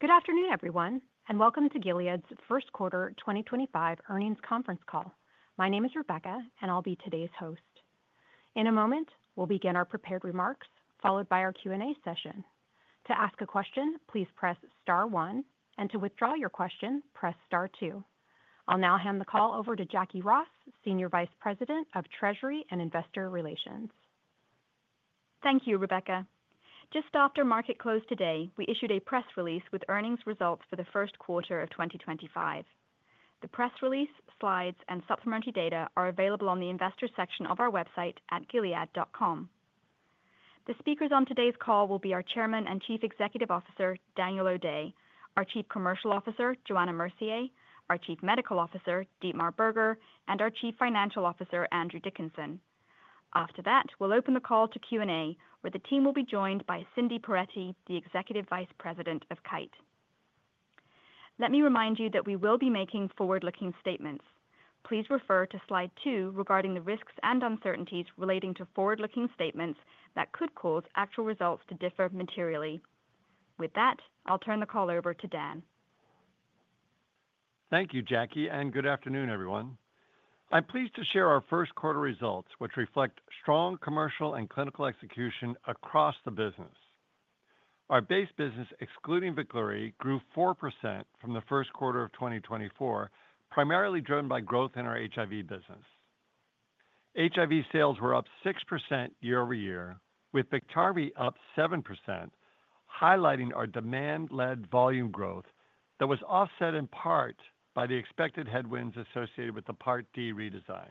Good afternoon, everyone, and welcome to Gilead's Q1 2025 Earnings Conference Call. My name is Rebecca, and I'll be today's host. In a moment, we'll begin our prepared remarks, followed by our Q&A session. To ask a question, please press star one, and to withdraw your question, press star two. I'll now hand the call over to Jacquie Ross, Senior Vice President of Treasury and Investor Relations. Thank you, Rebecca. Just after market close today, we issued a press release with earnings results for Q1 of 2025. The press release, slides, and supplementary data are available on the investor section of our website at gilead.com. The speakers on today's call will be our Chairman and Chief Executive Officer, Daniel O'Day, our Chief Commercial Officer, Johanna Mercier, our Chief Medical Officer, Dietmar Berger, and our Chief Financial Officer, Andrew Dickinson. After that, we'll open the call to Q&A, where the team will be joined by Cindy Perettie, the Executive Vice President of Kite. Let me remind you that we will be making forward-looking statements. Please refer to slide two regarding the risks and uncertainties relating to forward-looking statements that could cause actual results to differ materially. With that, I'll turn the call over to Dan. Thank you, Jacquie, and good afternoon, everyone. I'm pleased to share our Q1 results, which reflect strong commercial and clinical execution across the business. Our base business, excluding VEKLURY, grew 4% from Q1 of 2024, primarily driven by growth in our HIV business. HIV sales were up 6% year-over-year, with Biktarvy up 7%, highlighting our demand-led volume growth that was offset in part by the expected headwinds associated with the Part D redesign.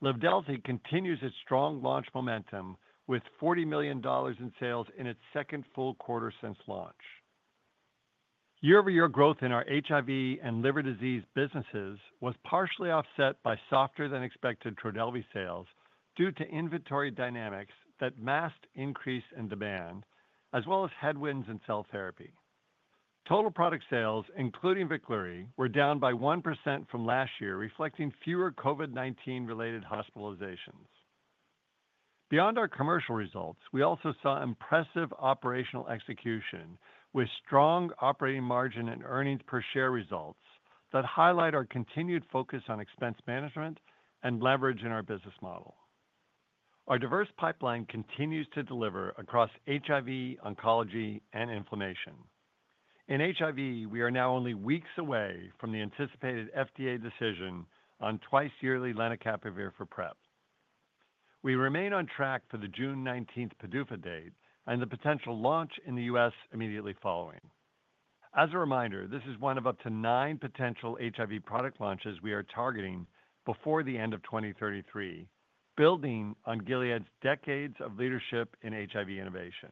Livdelzi continues its strong launch momentum, with $40 million in sales in its second full quarter since launch. Year-over-year growth in our HIV and liver disease businesses was partially offset by softer-than-expected Trodelvy sales due to inventory dynamics that masked increase in demand, as well as headwinds in cell therapy. Total product sales, including VEKLURY, were down by 1% from last year, reflecting fewer COVID-19-related hospitalizations. Beyond our commercial results, we also saw impressive operational execution with strong operating margin and earnings per share results that highlight our continued focus on expense management and leverage in our business model. Our diverse pipeline continues to deliver across HIV, oncology, and inflammation. In HIV, we are now only weeks away from the anticipated FDA decision on twice-yearly lenacapavir for PrEP. We remain on track for the June 19th PDUFA date and the potential launch in the US immediately following. As a reminder, this is one of up to nine potential HIV product launches we are targeting before the end of 2033, building on Gilead's decades of leadership in HIV innovation.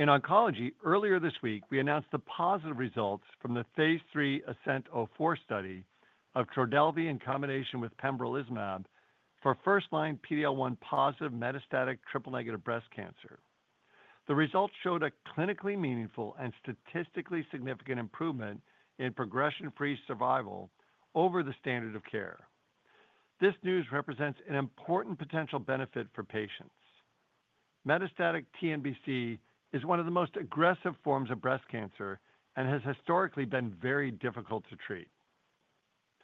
In oncology, earlier this week, we announced the positive results from the phase III ASCENT-04 study of Trodelvy in combination with pembrolizumab for first-line PD-L1 positive metastatic triple-negative breast cancer. The results showed a clinically meaningful and statistically significant improvement in progression-free survival over the standard of care. This news represents an important potential benefit for patients. Metastatic TNBC is one of the most aggressive forms of breast cancer and has historically been very difficult to treat.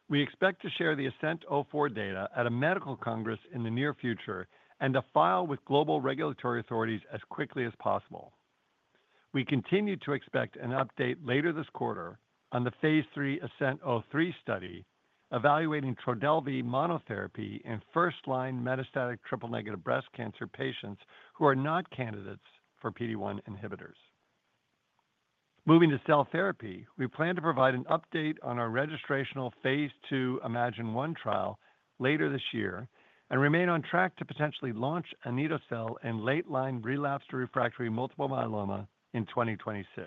We expect to share the ASCENT-04 data at a medical congress in the near future and to file with global regulatory authorities as quickly as possible. We continue to expect an update later this quarter on the phase III ASCENT-03 study evaluating Trodelvy monotherapy in first-line metastatic triple-negative breast cancer patients who are not candidates for PD-1 inhibitors. Moving to cell therapy, we plan to provide an update on our registrational phase II iMMagine-1 trial later this year and remain on track to potentially launch anito-cel in late-line relapse to refractory multiple myeloma in 2026.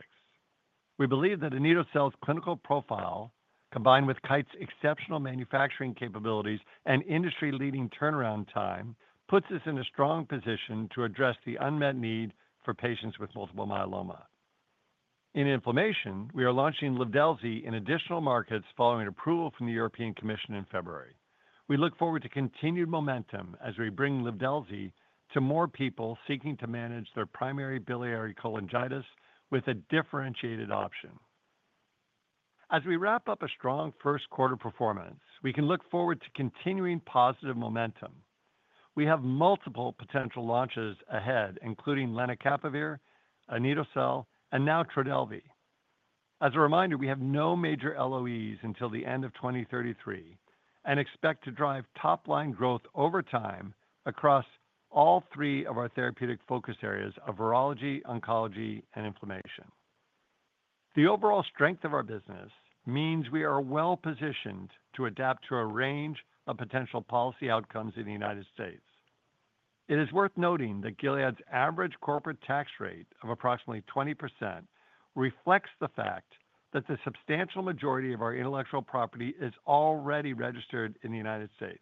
We believe that anito-cel's clinical profile, combined with Kite's exceptional manufacturing capabilities and industry-leading turnaround time, puts us in a strong position to address the unmet need for patients with multiple myeloma. In inflammation, we are launching Livdelzi in additional markets following approval from the European Commission in February. We look forward to continued momentum as we bring Livdelzi to more people seeking to manage their primary biliary cholangitis with a differentiated option. As we wrap up a strong Q1 performance, we can look forward to continuing positive momentum. We have multiple potential launches ahead, including lenacapavir, anito-cel, and now Trodelvy. As a reminder, we have no major LOEs until the end of 2033 and expect to drive top-line growth over time across all three of our therapeutic focus areas of virology, oncology, and inflammation. The overall strength of our business means we are well-positioned to adapt to a range of potential policy outcomes in the United States It is worth noting that Gilead's average corporate tax rate of approximately 20% reflects the fact that the substantial majority of our intellectual property is already registered in the United States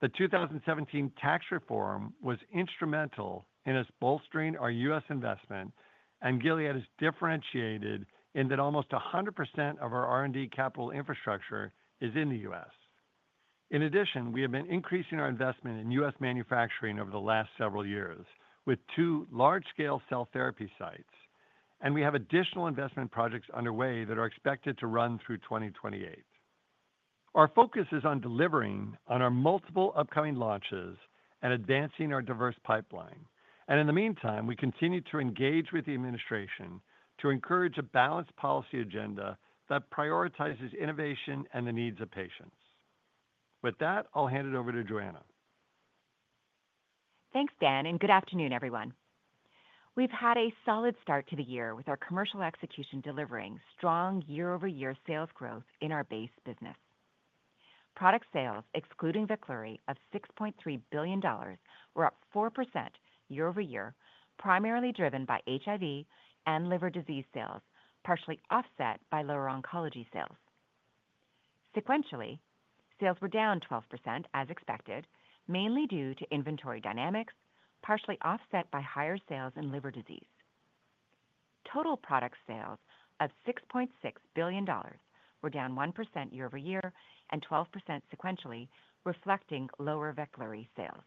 The 2017 tax reform was instrumental in us bolstering our US investment, and Gilead is differentiated in that almost 100% of our R&D capital infrastructure is in the US. In addition, we have been increasing our investment in US manufacturing over the last several years with two large-scale cell therapy sites, and we have additional investment projects underway that are expected to run through 2028. Our focus is on delivering on our multiple upcoming launches and advancing our diverse pipeline. In the meantime, we continue to engage with the administration to encourage a balanced policy agenda that prioritizes innovation and the needs of patients. With that, I'll hand it over to Johanna. Thanks, Dan, and good afternoon, everyone. We've had a solid start to the year with our commercial execution delivering strong year-over-year sales growth in our base business. Product sales, excluding VEKLURY, of $6.3 billion, were up 4% year-over-year, primarily driven by HIV and liver disease sales, partially offset by lower oncology sales. Sequentially, sales were down 12% as expected, mainly due to inventory dynamics, partially offset by higher sales in liver disease. Total product sales of $6.6 billion were down 1% year-over-year and 12% sequentially, reflecting lower VEKLURY sales.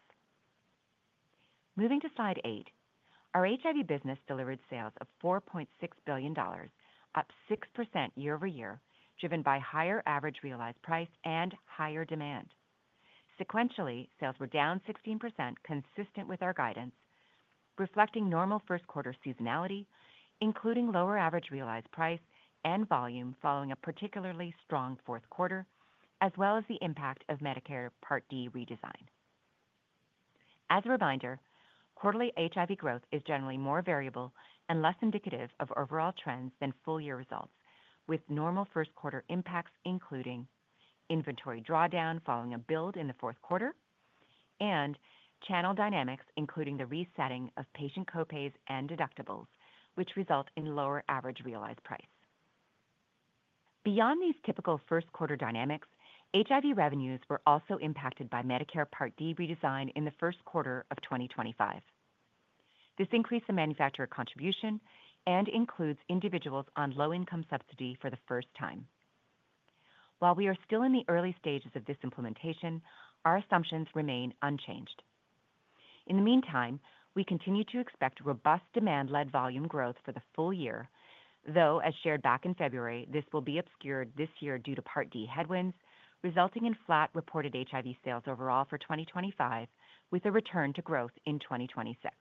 Moving to slide eight, our HIV business delivered sales of $4.6 billion, up 6% year-over-year, driven by higher average realized price and higher demand. Sequentially, sales were down 16%, consistent with our guidance, reflecting normal Q1 seasonality, including lower average realized price and volume following a particularly strong Q4, as well as the impact of Medicare Part D redesign. As a reminder, quarterly HIV growth is generally more variable and less indicative of overall trends than full-year results, with normal Q1 impacts including inventory drawdown following a build in Q4 and channel dynamics, including the resetting of patient copays and deductibles, which result in lower average realized price. Beyond these typical Q1 dynamics, HIV revenues were also impacted by Medicare Part D redesign in Q1 of 2025. This increased the manufacturer contribution and includes individuals on low-income subsidy for the first time. While we are still in the early stages of this implementation, our assumptions remain unchanged. In the meantime, we continue to expect robust demand-led volume growth for the full year, though, as shared back in February, this will be obscured this year due to Part D headwinds, resulting in flat reported HIV sales overall for 2025, with a return to growth in 2026.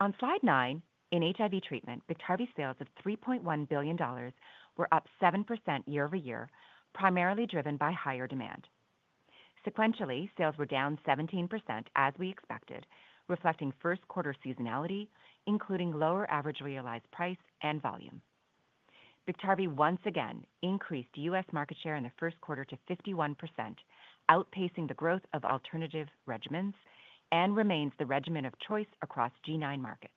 On slide nine, in HIV treatment, Biktarvy sales of $3.1 billion were up 7% year-over-year, primarily driven by higher demand. Sequentially, sales were down 17% as we expected, reflecting Q1 seasonality, including lower average realized price and volume. Biktarvy once again increased US market share in Q1 to 51%, outpacing the growth of alternative regimens and remains the regimen of choice across G9 markets.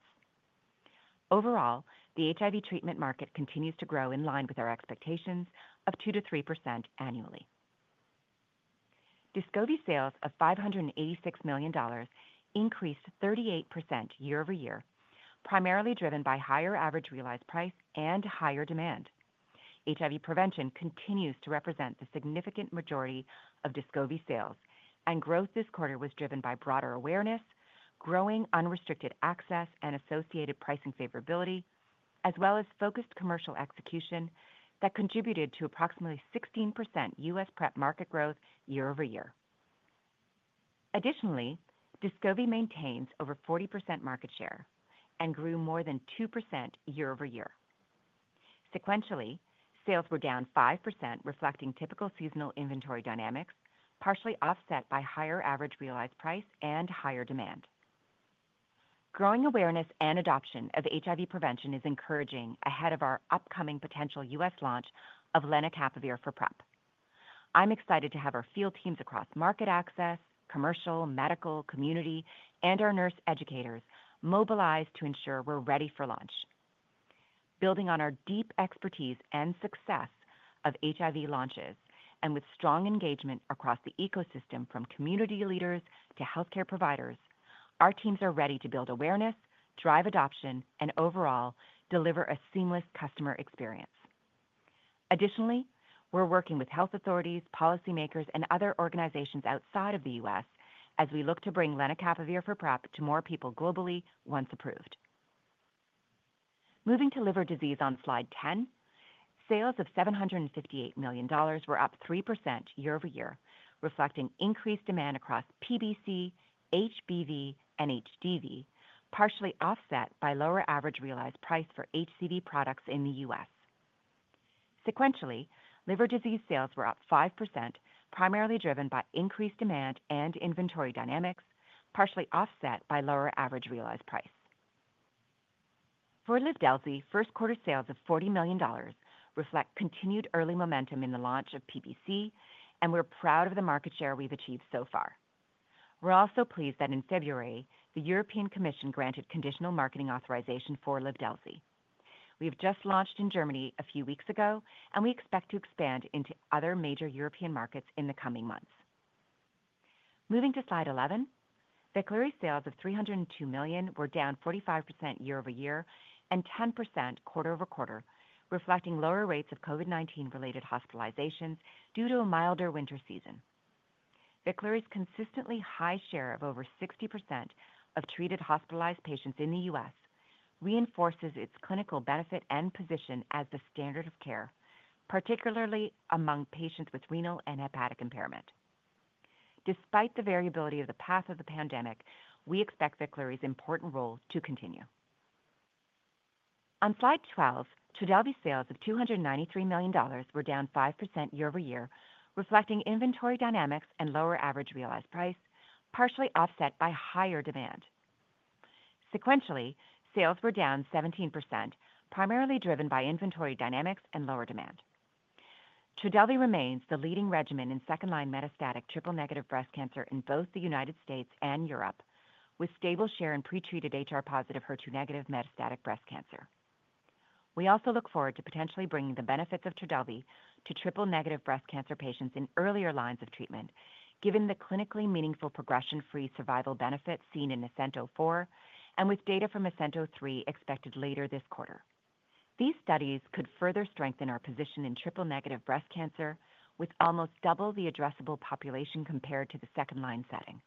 Overall, the HIV treatment market continues to grow in line with our expectations of 2% to 3% annually. DESCOVY sales of $586 million increased 38% year-over-year, primarily driven by higher average realized price and higher demand. HIV prevention continues to represent the significant majority of DESCOVY sales, and growth this quarter was driven by broader awareness, growing unrestricted access and associated pricing favorability, as well as focused commercial execution that contributed to approximately 16% US PrEP market growth year-over-year. Additionally, DESCOVY maintains over 40% market share and grew more than 2% year-over-year. Sequentially, sales were down 5%, reflecting typical seasonal inventory dynamics, partially offset by higher average realized price and higher demand. Growing awareness and adoption of HIV prevention is encouraging ahead of our upcoming potential US launch of lenacapavir for PrEP. I'm excited to have our field teams across market access, commercial, medical, community, and our nurse educators mobilize to ensure we're ready for launch. Building on our deep expertise and success of HIV launches and with strong engagement across the ecosystem from community leaders to healthcare providers, our teams are ready to build awareness, drive adoption, and overall deliver a seamless customer experience. Additionally, we're working with health authorities, policymakers, and other organizations outside of the US as we look to bring lenacapavir for PrEP to more people globally once approved. Moving to liver disease on slide 10, sales of $758 million were up 3% year-over-year, reflecting increased demand across PBC, HBV, and HDV, partially offset by lower average realized price for HCV products in the US Sequentially, liver disease sales were up 5%, primarily driven by increased demand and inventory dynamics, partially offset by lower average realized price. For Livdelzi, Q1 sales of $40 million reflect continued early momentum in the launch of PBC, and we're proud of the market share we've achieved so far. We're also pleased that in February, the European Commission granted conditional marketing authorization for Livdelzi. We have just launched in Germany a few weeks ago, and we expect to expand into other major European markets in the coming months. Moving to slide 11, VEKLURY sales of $302 million were down 45% year-over-year and 10% quarter-over-quarter, reflecting lower rates of COVID-19-related hospitalizations due to a milder winter season. VEKLURY's consistently high share of over 60% of treated hospitalized patients in the US reinforces its clinical benefit and position as the standard of care, particularly among patients with renal and hepatic impairment. Despite the variability of the path of the pandemic, we expect VEKLURY's important role to continue. On slide 12, Trodelvy sales of $293 million were down 5% year-over-year, reflecting inventory dynamics and lower average realized price, partially offset by higher demand. Sequentially, sales were down 17%, primarily driven by inventory dynamics and lower demand. Trodelvy remains the leading regimen in second-line metastatic triple-negative breast cancer in both the United States and Europe, with stable share in pretreated HR+/HER2- metastatic breast cancer. We also look forward to potentially bringing the benefits of Trodelvy to triple-negative breast cancer patients in earlier lines of treatment, given the clinically meaningful progression-free survival benefit seen in ASCENT-04 and with data from ASCENT-03 expected later this quarter. These studies could further strengthen our position in triple-negative breast cancer with almost double the addressable population compared to the second-line setting.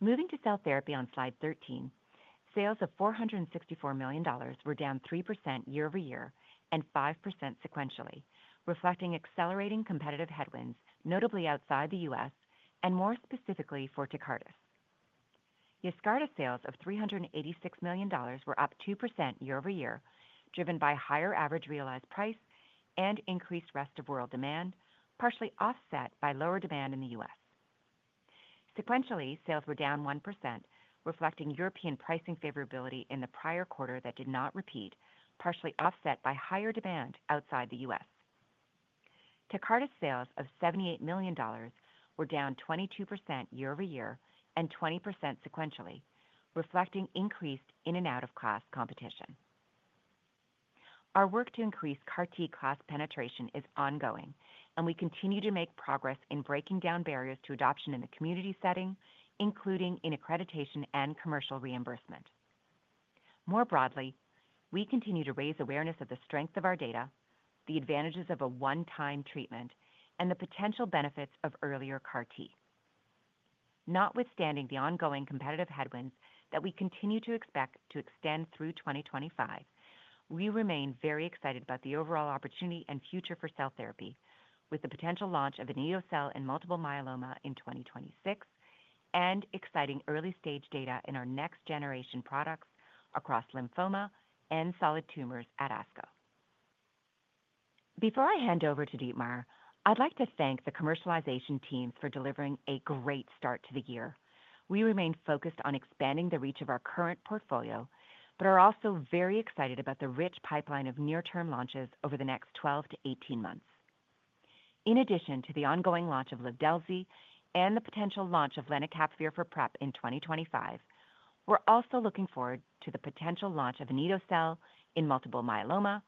Moving to cell therapy on slide 13, sales of $464 million were down 3% year-over-year and 5% sequentially, reflecting accelerating competitive headwinds, notably outside the US and more specifically for Tecartus. Yescarta sales of $386 million were up 2% year-over-year, driven by higher average realized price and increased rest of world demand, partially offset by lower demand in the US Sequentially, sales were down 1%, reflecting European pricing favorability in the prior quarter that did not repeat, partially offset by higher demand outside the US Tecartus sales of $78 million were down 22% year-over-year and 20% sequentially, reflecting increased in- and out-of-class competition. Our work to increase CAR-T class penetration is ongoing, and we continue to make progress in breaking down barriers to adoption in the community setting, including in accreditation and commercial reimbursement. More broadly, we continue to raise awareness of the strength of our data, the advantages of a one-time treatment, and the potential benefits of earlier CAR-T. Notwithstanding the ongoing competitive headwinds that we continue to expect to extend through 2025, we remain very excited about the overall opportunity and future for cell therapy, with the potential launch of anito-cel in multiple myeloma in 2026 and exciting early-stage data in our next-generation products across lymphoma and solid tumors at ASCO. Before I hand over to Dietmar, I'd like to thank the commercialization teams for delivering a great start to the year. We remain focused on expanding the reach of our current portfolio, but are also very excited about the rich pipeline of near-term launches over the next 12 to 18 months. In addition to the ongoing launch of Livdelzi and the potential launch of lenacapavir for PrEP in 2025, we're also looking forward to the potential launch of anito-cel in multiple myeloma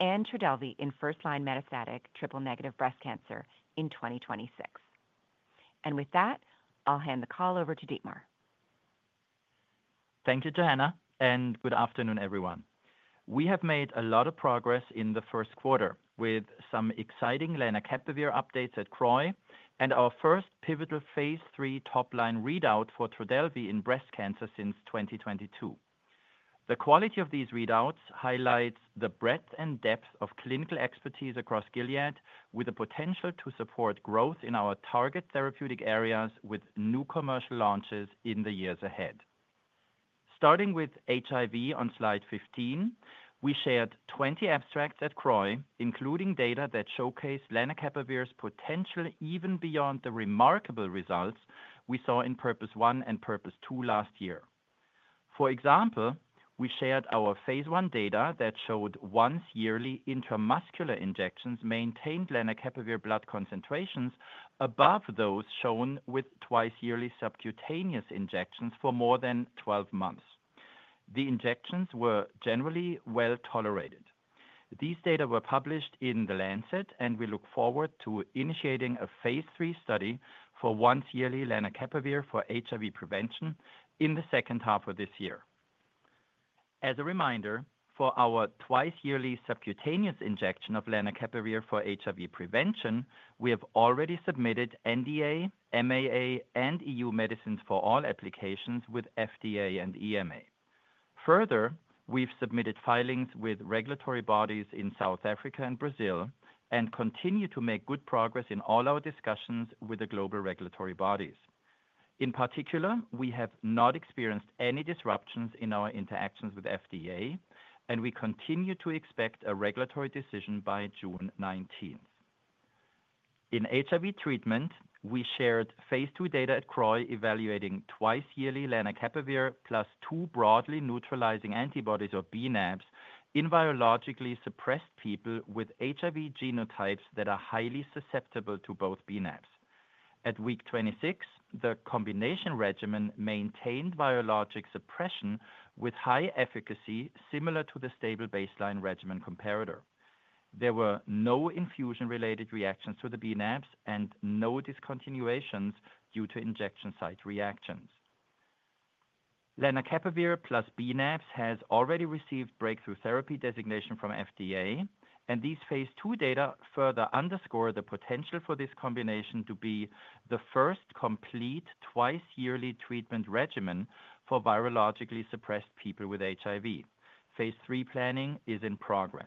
and Trodelvy in first-line metastatic triple-negative breast cancer in 2026. With that, I'll hand the call over to Dietmar. Thank you, Johanna, and good afternoon, everyone. We have made a lot of progress in Q1 with some exciting lenacapavir updates at CROI and our first pivotal phase III top-line readout for Trodelvy in breast cancer since 2022. The quality of these readouts highlights the breadth and depth of clinical expertise across Gilead, with the potential to support growth in our target therapeutic areas with new commercial launches in the years ahead. Starting with HIV on slide 15, we shared 20 abstracts at CROI, including data that showcased lenacapavir's potential even beyond the remarkable results we saw in PURPOSE 1 and PURPOSE 2 last year. For example, we shared our phase I data that showed once-yearly intramuscular injections maintained lenacapavir blood concentrations above those shown with twice-yearly subcutaneous injections for more than 12 months. The injections were generally well tolerated. These data were published in The Lancet, and we look forward to initiating a phase III study for once-yearly lenacapavir for HIV prevention in the second half of this year. As a reminder, for our twice-yearly subcutaneous injection of lenacapavir for HIV prevention, we have already submitted NDA, MAA, and EU Medicines for All applications with FDA and EMA. Further, we have submitted filings with regulatory bodies in South Africa and Brazil and continue to make good progress in all our discussions with the global regulatory bodies. In particular, we have not experienced any disruptions in our interactions with FDA, and we continue to expect a regulatory decision by June 19. In HIV treatment, we shared phase II data at CROI evaluating twice-yearly lenacapavir plus two broadly neutralizing antibodies or bNAbs in virologically suppressed people with HIV genotypes that are highly susceptible to both bNAbs. At week 26, the combination regimen maintained virologic suppression with high efficacy similar to the stable baseline regimen comparator. There were no infusion-related reactions to the bNAbs and no discontinuations due to injection site reactions. Lenacapavir plus bNAbs has already received breakthrough therapy designation from FDA, and these phase II data further underscore the potential for this combination to be the first complete twice-yearly treatment regimen for virologically suppressed people with HIV. Phase III planning is in progress.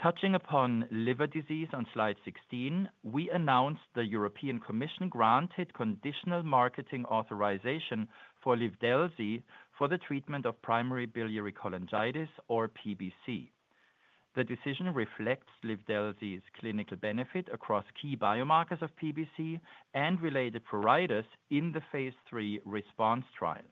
Touching upon liver disease on slide 16, we announced the European Commission granted conditional marketing authorization for Livdelzi for the treatment of primary biliary cholangitis, or PBC. The decision reflects Livdelzi's clinical benefit across key biomarkers of PBC and related pruritus in the phase III response trial.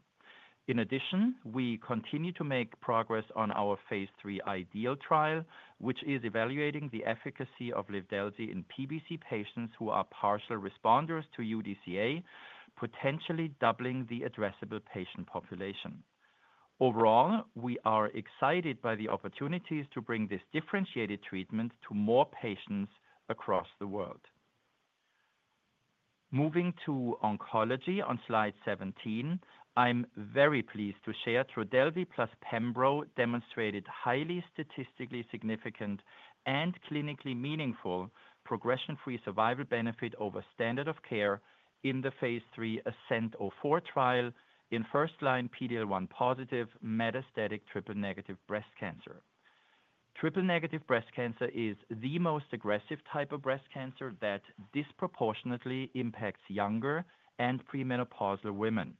In addition, we continue to make progress on our phase III IDEAL trial, which is evaluating the efficacy of Livdelzi in PBC patients who are partial responders to UDCA, potentially doubling the addressable patient population. Overall, we are excited by the opportunities to bring this differentiated treatment to more patients across the world. Moving to oncology on slide 17, I'm very pleased to share Trodelvy plus Pembro demonstrated highly statistically significant and clinically meaningful progression-free survival benefit over standard of care in the phase III ASCENT-04 trial in first-line PD-L1 positive metastatic triple-negative breast cancer. Triple-negative breast cancer is the most aggressive type of breast cancer that disproportionately impacts younger and premenopausal women.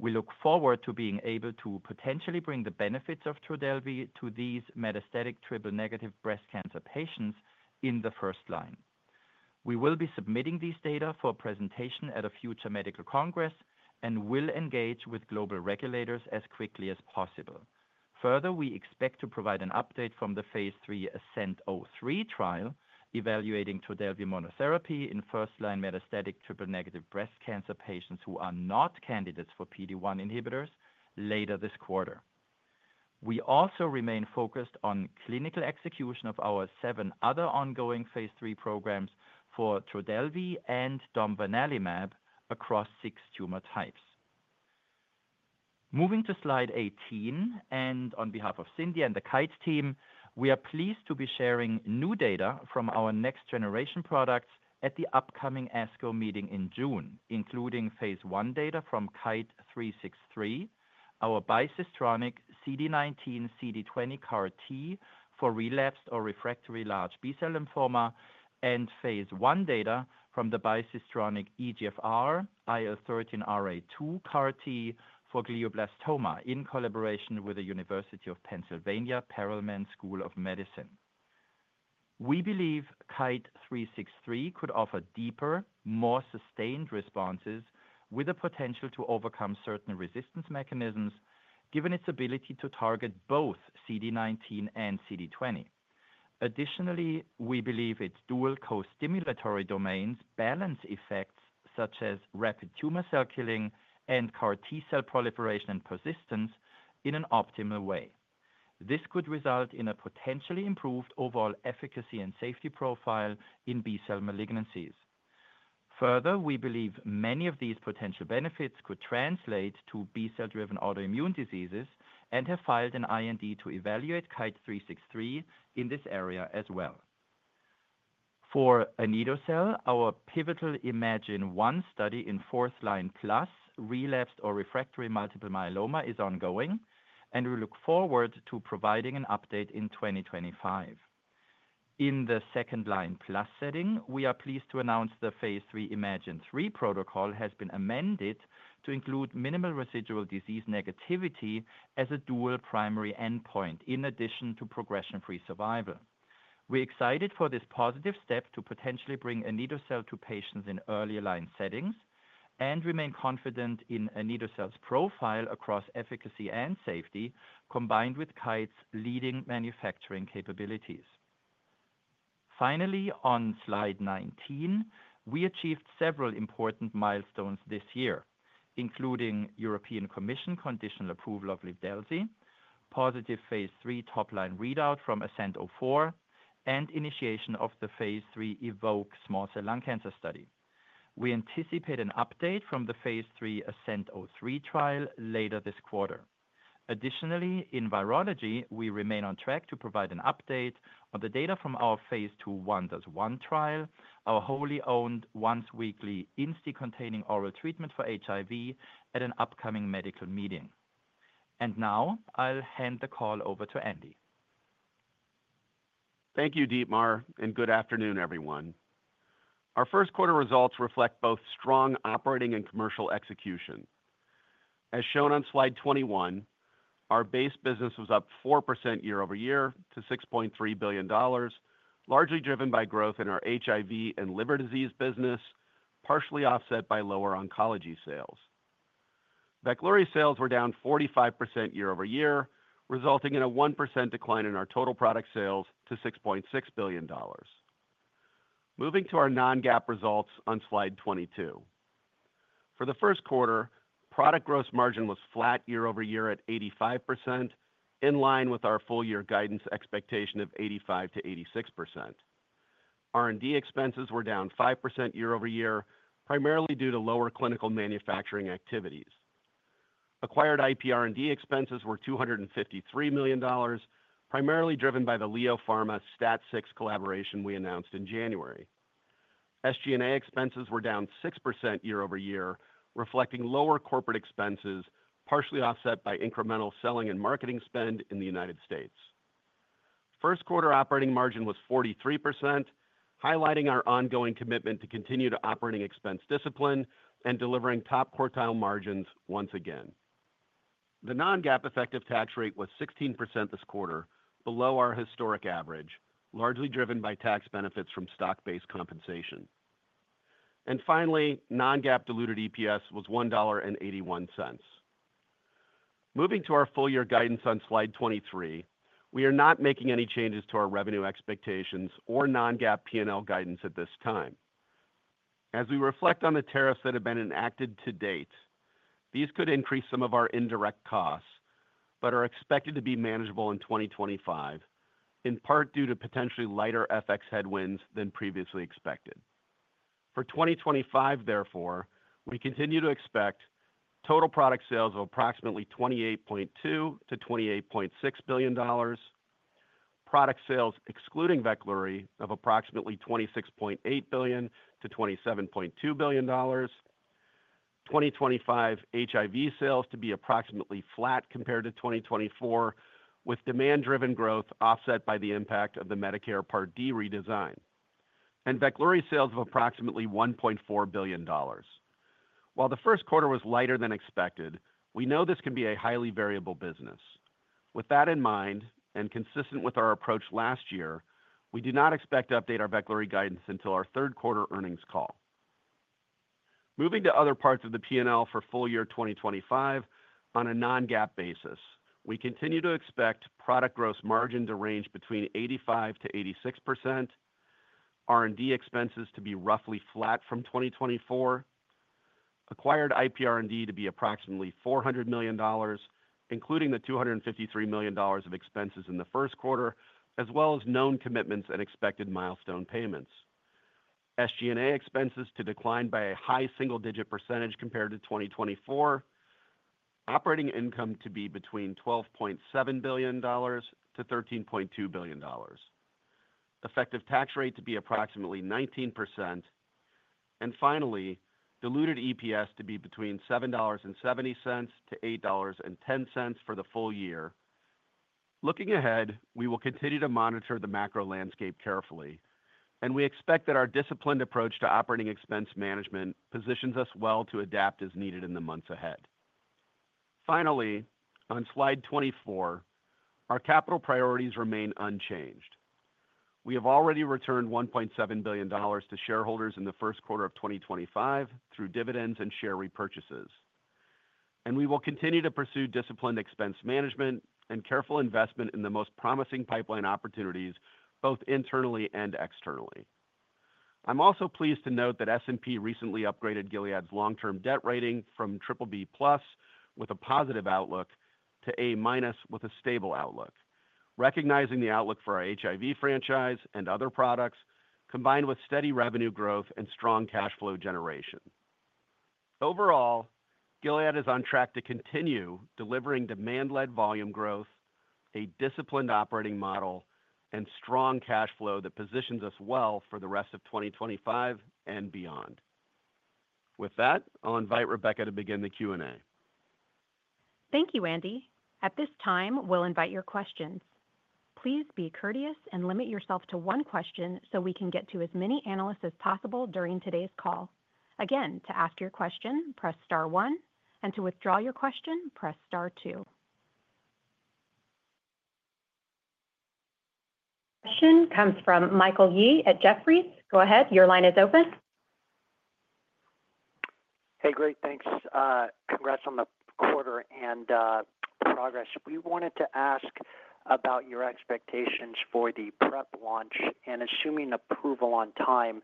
We look forward to being able to potentially bring the benefits of Trodelvy to these metastatic triple-negative breast cancer patients in the first line. We will be submitting these data for presentation at a future medical congress and will engage with global regulators as quickly as possible. Further, we expect to provide an update from the phase III ASCENT-03 trial evaluating Trodelvy monotherapy in first-line metastatic triple-negative breast cancer patients who are not candidates for PD-1 inhibitors later this quarter. We also remain focused on clinical execution of our seven other ongoing phase III programs for Trodelvy and domvanalimab across six tumor types. Moving to slide 18, and on behalf of Cindy and the Kite team, we are pleased to be sharing new data from our next-generation products at the upcoming ASCO meeting in June, including phase I data from KITE-363, our bicistronic CD19/CD20 CAR-T for relapsed or refractory large B-cell lymphoma, and phase I data from the bicistronic EGFR IL13Rα2 CAR-T for glioblastoma in collaboration with the University of Pennsylvania Perelman School of Medicine. We believe KITE-363 could offer deeper, more sustained responses with the potential to overcome certain resistance mechanisms, given its ability to target both CD19 and CD20. Additionally, we believe its dual co-stimulatory domains balance effects such as rapid tumor cell killing and CAR-T cell proliferation and persistence in an optimal way. This could result in a potentially improved overall efficacy and safety profile in B-cell malignancies. Further, we believe many of these potential benefits could translate to B-cell-driven autoimmune diseases and have filed an IND to evaluate KITE-363 in this area as well. For anito-cel, our pivotal iMMagine-1 study in fourth-line plus relapsed or refractory multiple myeloma is ongoing, and we look forward to providing an update in 2025. In the second-line plus setting, we are pleased to announce the phase III iMMagine-3 protocol has been amended to include minimal residual disease negativity as a dual primary endpoint in addition to progression-free survival. We're excited for this positive step to potentially bring anito-cel to patients in early line settings and remain confident in anito-cel's profile across efficacy and safety combined with KITE's leading manufacturing capabilities. Finally, on slide 19, we achieved several important milestones this year, including European Commission conditional approval of Livdelzi, positive phase III top-line readout from ASCENT-04, and initiation of the phase III EVOKE small cell lung cancer study. We anticipate an update from the phase III ASCENT-03 trial later this quarter. Additionally, in virology, we remain on track to provide an update on the data from our phase II WONDERS-1 trial, our wholly owned once-weekly INSTI-containing oral treatment for HIV at an upcoming medical meeting. Now, I'll hand the call over to Andy. Thank you, Dietmar, and good afternoon, everyone. Our Q1 results reflect both strong operating and commercial execution. As shown on slide 21, our base business was up 4% year-over-year to $6.3 billion, largely driven by growth in our HIV and liver disease business, partially offset by lower oncology sales. VEKLURY sales were down 45% year-over-year, resulting in a 1% decline in our total product sales to $6.6 billion. Moving to our non-GAAP results on slide 22. For Q1, product gross margin was flat year-over-year at 85%, in line with our full-year guidance expectation of 85% to 86%. R&D expenses were down 5% year-over-year, primarily due to lower clinical manufacturing activities. Acquired IP R&D expenses were $253 million, primarily driven by the Leo Pharma STAT6 collaboration we announced in January. SG&A expenses were down 6% year-over-year, reflecting lower corporate expenses, partially offset by incremental selling and marketing spend in the United States. Q1 operating margin was 43%, highlighting our ongoing commitment to continue to operating expense discipline and delivering top quartile margins once again. The non-GAAP effective tax rate was 16% this quarter, below our historic average, largely driven by tax benefits from stock-based compensation. Finally, non-GAAP diluted EPS was $1.81. Moving to our full-year guidance on slide 23, we are not making any changes to our revenue expectations or non-GAAP P&L guidance at this time. As we reflect on the tariffs that have been enacted to date, these could increase some of our indirect costs but are expected to be manageable in 2025, in part due to potentially lighter FX headwinds than previously expected. For 2025, therefore, we continue to expect total product sales of approximately $28.2 billion to $28.6 billion, product sales excluding VEKLURY of approximately $26.8 billion to $27.2 billion, 2025 HIV sales to be approximately flat compared to 2024, with demand-driven growth offset by the impact of the Medicare Part D redesign, and VEKLURY sales of approximately $1.4 billion. While Q1 was lighter than expected, we know this can be a highly variable business. With that in mind and consistent with our approach last year, we do not expect to update our VEKLURY guidance until our Q3 earnings call. Moving to other parts of the P&L for full year 2025, on a non-GAAP basis, we continue to expect product gross margin to range between 85% to 86%, R&D expenses to be roughly flat from 2024, acquired IP R&D to be approximately $400 million, including the $253 million of expenses in Q1, as well as known commitments and expected milestone payments. SG&A expenses to decline by a high single-digit percentage compared to 2024, operating income to be between $12.7 billion to $13.2 billion, effective tax rate to be approximately 19%, and finally, diluted EPS to be between $7.70 to $8.10 for the full year. Looking ahead, we will continue to monitor the macro landscape carefully, and we expect that our disciplined approach to operating expense management positions us well to adapt as needed in the months ahead. Finally, on slide 24, our capital priorities remain unchanged. We have already returned $1.7 billion to shareholders in Q1 of 2025 through dividends and share repurchases, and we will continue to pursue disciplined expense management and careful investment in the most promising pipeline opportunities both internally and externally. I'm also pleased to note that S&P recently upgraded Gilead's long-term debt rating from BBB+ with a positive outlook to A- with a stable outlook, recognizing the outlook for our HIV franchise and other products combined with steady revenue growth and strong cash flow generation. Overall, Gilead is on track to continue delivering demand-led volume growth, a disciplined operating model, and strong cash flow that positions us well for the rest of 2025 and beyond. With that, I'll invite Rebecca to begin the Q&A. Thank you, Andy. At this time, we'll invite your questions. Please be courteous and limit yourself to one question so we can get to as many analysts as possible during today's call. Again, to ask your question, press star one, and to withdraw your question, press star two. Question comes from Michael Yee at Jefferies. Go ahead. Your line is open. Hey, great. Thanks. Congrats on the quarter and progress. We wanted to ask about your expectations for the PrEP launch and, assuming approval on time,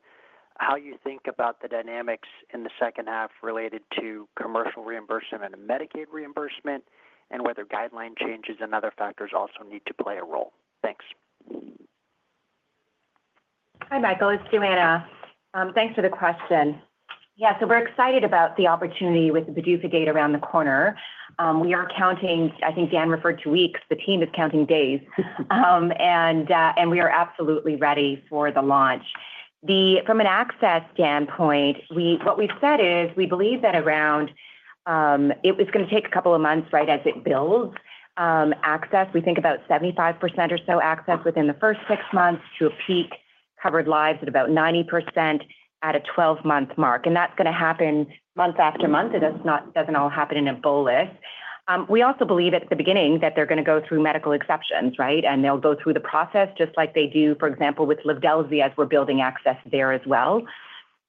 how you think about the dynamics in the second half related to commercial reimbursement and Medicaid reimbursement, and whether guideline changes and other factors also need to play a role. Thanks. Hi, Michael. It's Johanna. Thanks for the question. Yeah, so we're excited about the opportunity with the PDUFA date around the corner. We are counting, I think Dan referred to weeks. The team is counting days, and we are absolutely ready for the launch. From an access standpoint, what we've said is we believe that around it's going to take a couple of months right as it builds access. We think about 75% or so access within the first six months to a peak covered lives at about 90% at a 12-month mark. That's going to happen month after month. It doesn't all happen in a bolus. We also believe at the beginning that they're going to go through medical exceptions, right? They'll go through the process just like they do, for example, with Livdelzi as we're building access there as well.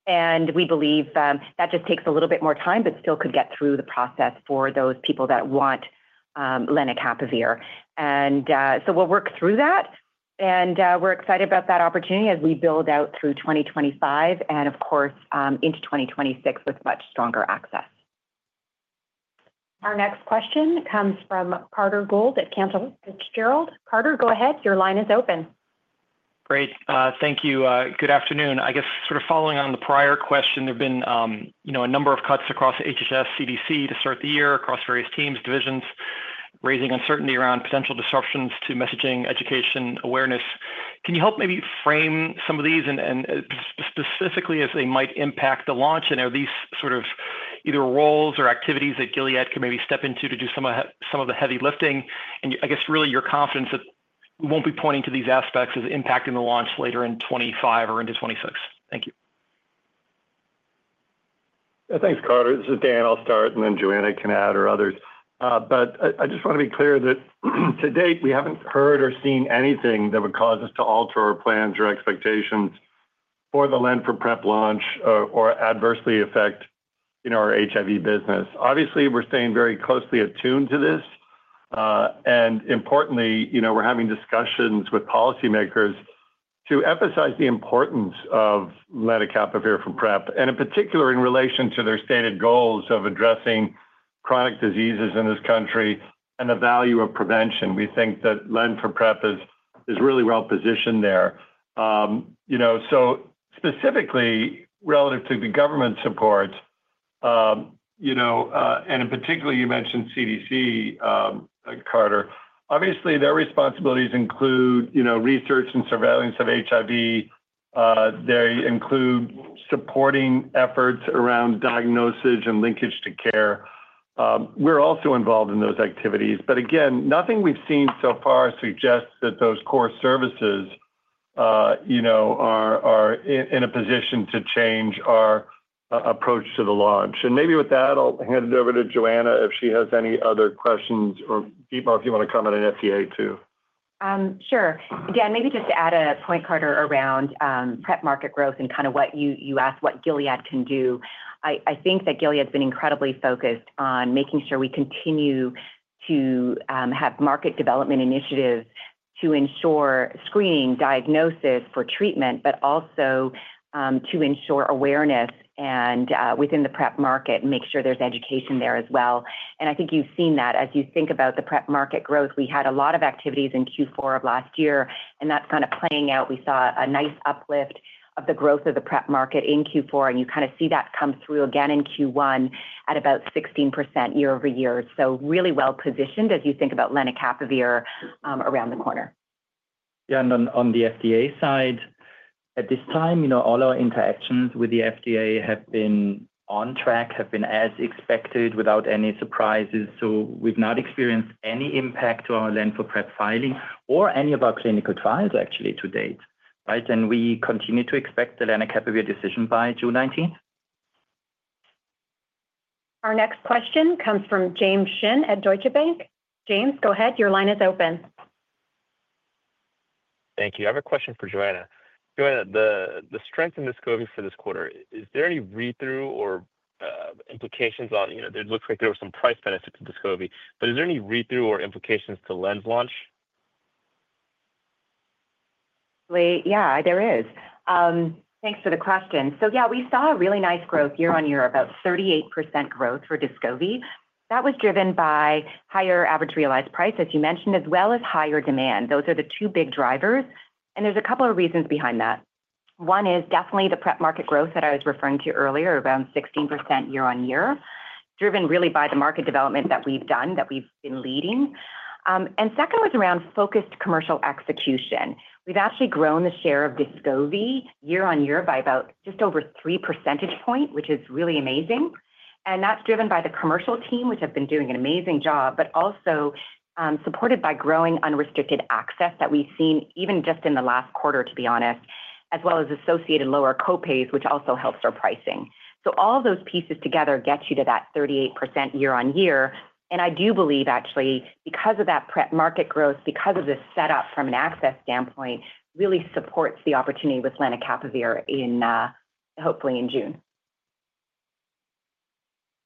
We believe that just takes a little bit more time, but still could get through the process for those people that want lenacapavir. We will work through that, and we are excited about that opportunity as we build out through 2025 and, of course, into 2026 with much stronger access. Our next question comes from Carter Gould at Cantor Fitzgerald. Carter, go ahead. Your line is open. Great. Thank you. Good afternoon. I guess sort of following on the prior question, there have been a number of cuts across HHS CDC to start the year across various teams, divisions, raising uncertainty around potential disruptions to messaging, education, awareness. Can you help maybe frame some of these and specifically as they might impact the launch? Are these sort of either roles or activities that Gilead can maybe step into to do some of the heavy lifting? I guess really your confidence that we will not be pointing to these aspects as impacting the launch later in 2025 or into 2026. Thank you. Thanks, Carter. This is Dan. I'll start, and then Johanna can add or others. I just want to be clear that to date, we haven't heard or seen anything that would cause us to alter our plans or expectations for the lenacapavir PrEP launch or adversely affect our HIV business. Obviously, we're staying very closely attuned to this. Importantly, we're having discussions with policymakers to emphasize the importance of lenacapavir for PrEP, and in particular in relation to their stated goals of addressing chronic diseases in this country and the value of prevention. We think that lenacapavir PrEP is really well positioned there. Specifically relative to the government support, and in particular, you mentioned CDC, Carter. Obviously, their responsibilities include research and surveillance of HIV. They include supporting efforts around diagnosis and linkage to care. We're also involved in those activities. Again, nothing we've seen so far suggests that those core services are in a position to change our approach to the launch. Maybe with that, I'll hand it over to Johanna if she has any other questions or Dietmar, if you want to come in and FDA too. Sure. Yeah, maybe just to add a point, Carter, around PrEP market growth and kind of what you asked, what Gilead can do. I think that Gilead's been incredibly focused on making sure we continue to have market development initiatives to ensure screening, diagnosis for treatment, but also to ensure awareness within the PrEP market and make sure there's education there as well. I think you've seen that as you think about the PrEP market growth. We had a lot of activities in Q4 of last year, and that's kind of playing out. We saw a nice uplift of the growth of the PrEP market in Q4, and you kind of see that come through again in Q1 at about 16% year-over-year. Really well positioned as you think about lenacapavir around the corner. Yeah, on the FDA side, at this time, all our interactions with the FDA have been on track, have been as expected without any surprises. We've not experienced any impact to our lenacapavir PrEP filing or any of our clinical trials actually to date, right? We continue to expect the lenacapavir decision by June 19th. Our next question comes from James Shin at Deutsche Bank. James, go ahead. Your line is open. Thank you. I have a question for Johanna. Johanna, the strength in DESCOVY for this quarter, is there any read-through or implications on it looks like there were some price benefits to DESCOVY, but is there any read-through or implications to lenacapavir launch? Yeah, there is. Thanks for the question. Yeah, we saw really nice growth year-on-year, about 38% growth for DESCOVY. That was driven by higher average realized price, as you mentioned, as well as higher demand. Those are the two big drivers. There are a couple of reasons behind that. One is definitely the PrEP market growth that I was referring to earlier, around 16% year-on-year, driven really by the market development that we've done, that we've been leading. Second was around focused commercial execution. We've actually grown the share of DESCOVY year-on-year by about just over 3 percentage points, which is really amazing. That's driven by the commercial team, which have been doing an amazing job, but also supported by growing unrestricted access that we've seen even just in the last quarter, to be honest, as well as associated lower co-pays, which also helps our pricing. All of those pieces together get you to that 38% year-on-year. I do believe actually because of that PrEP market growth, because of the setup from an access standpoint, really supports the opportunity with lenacapavir hopefully in June.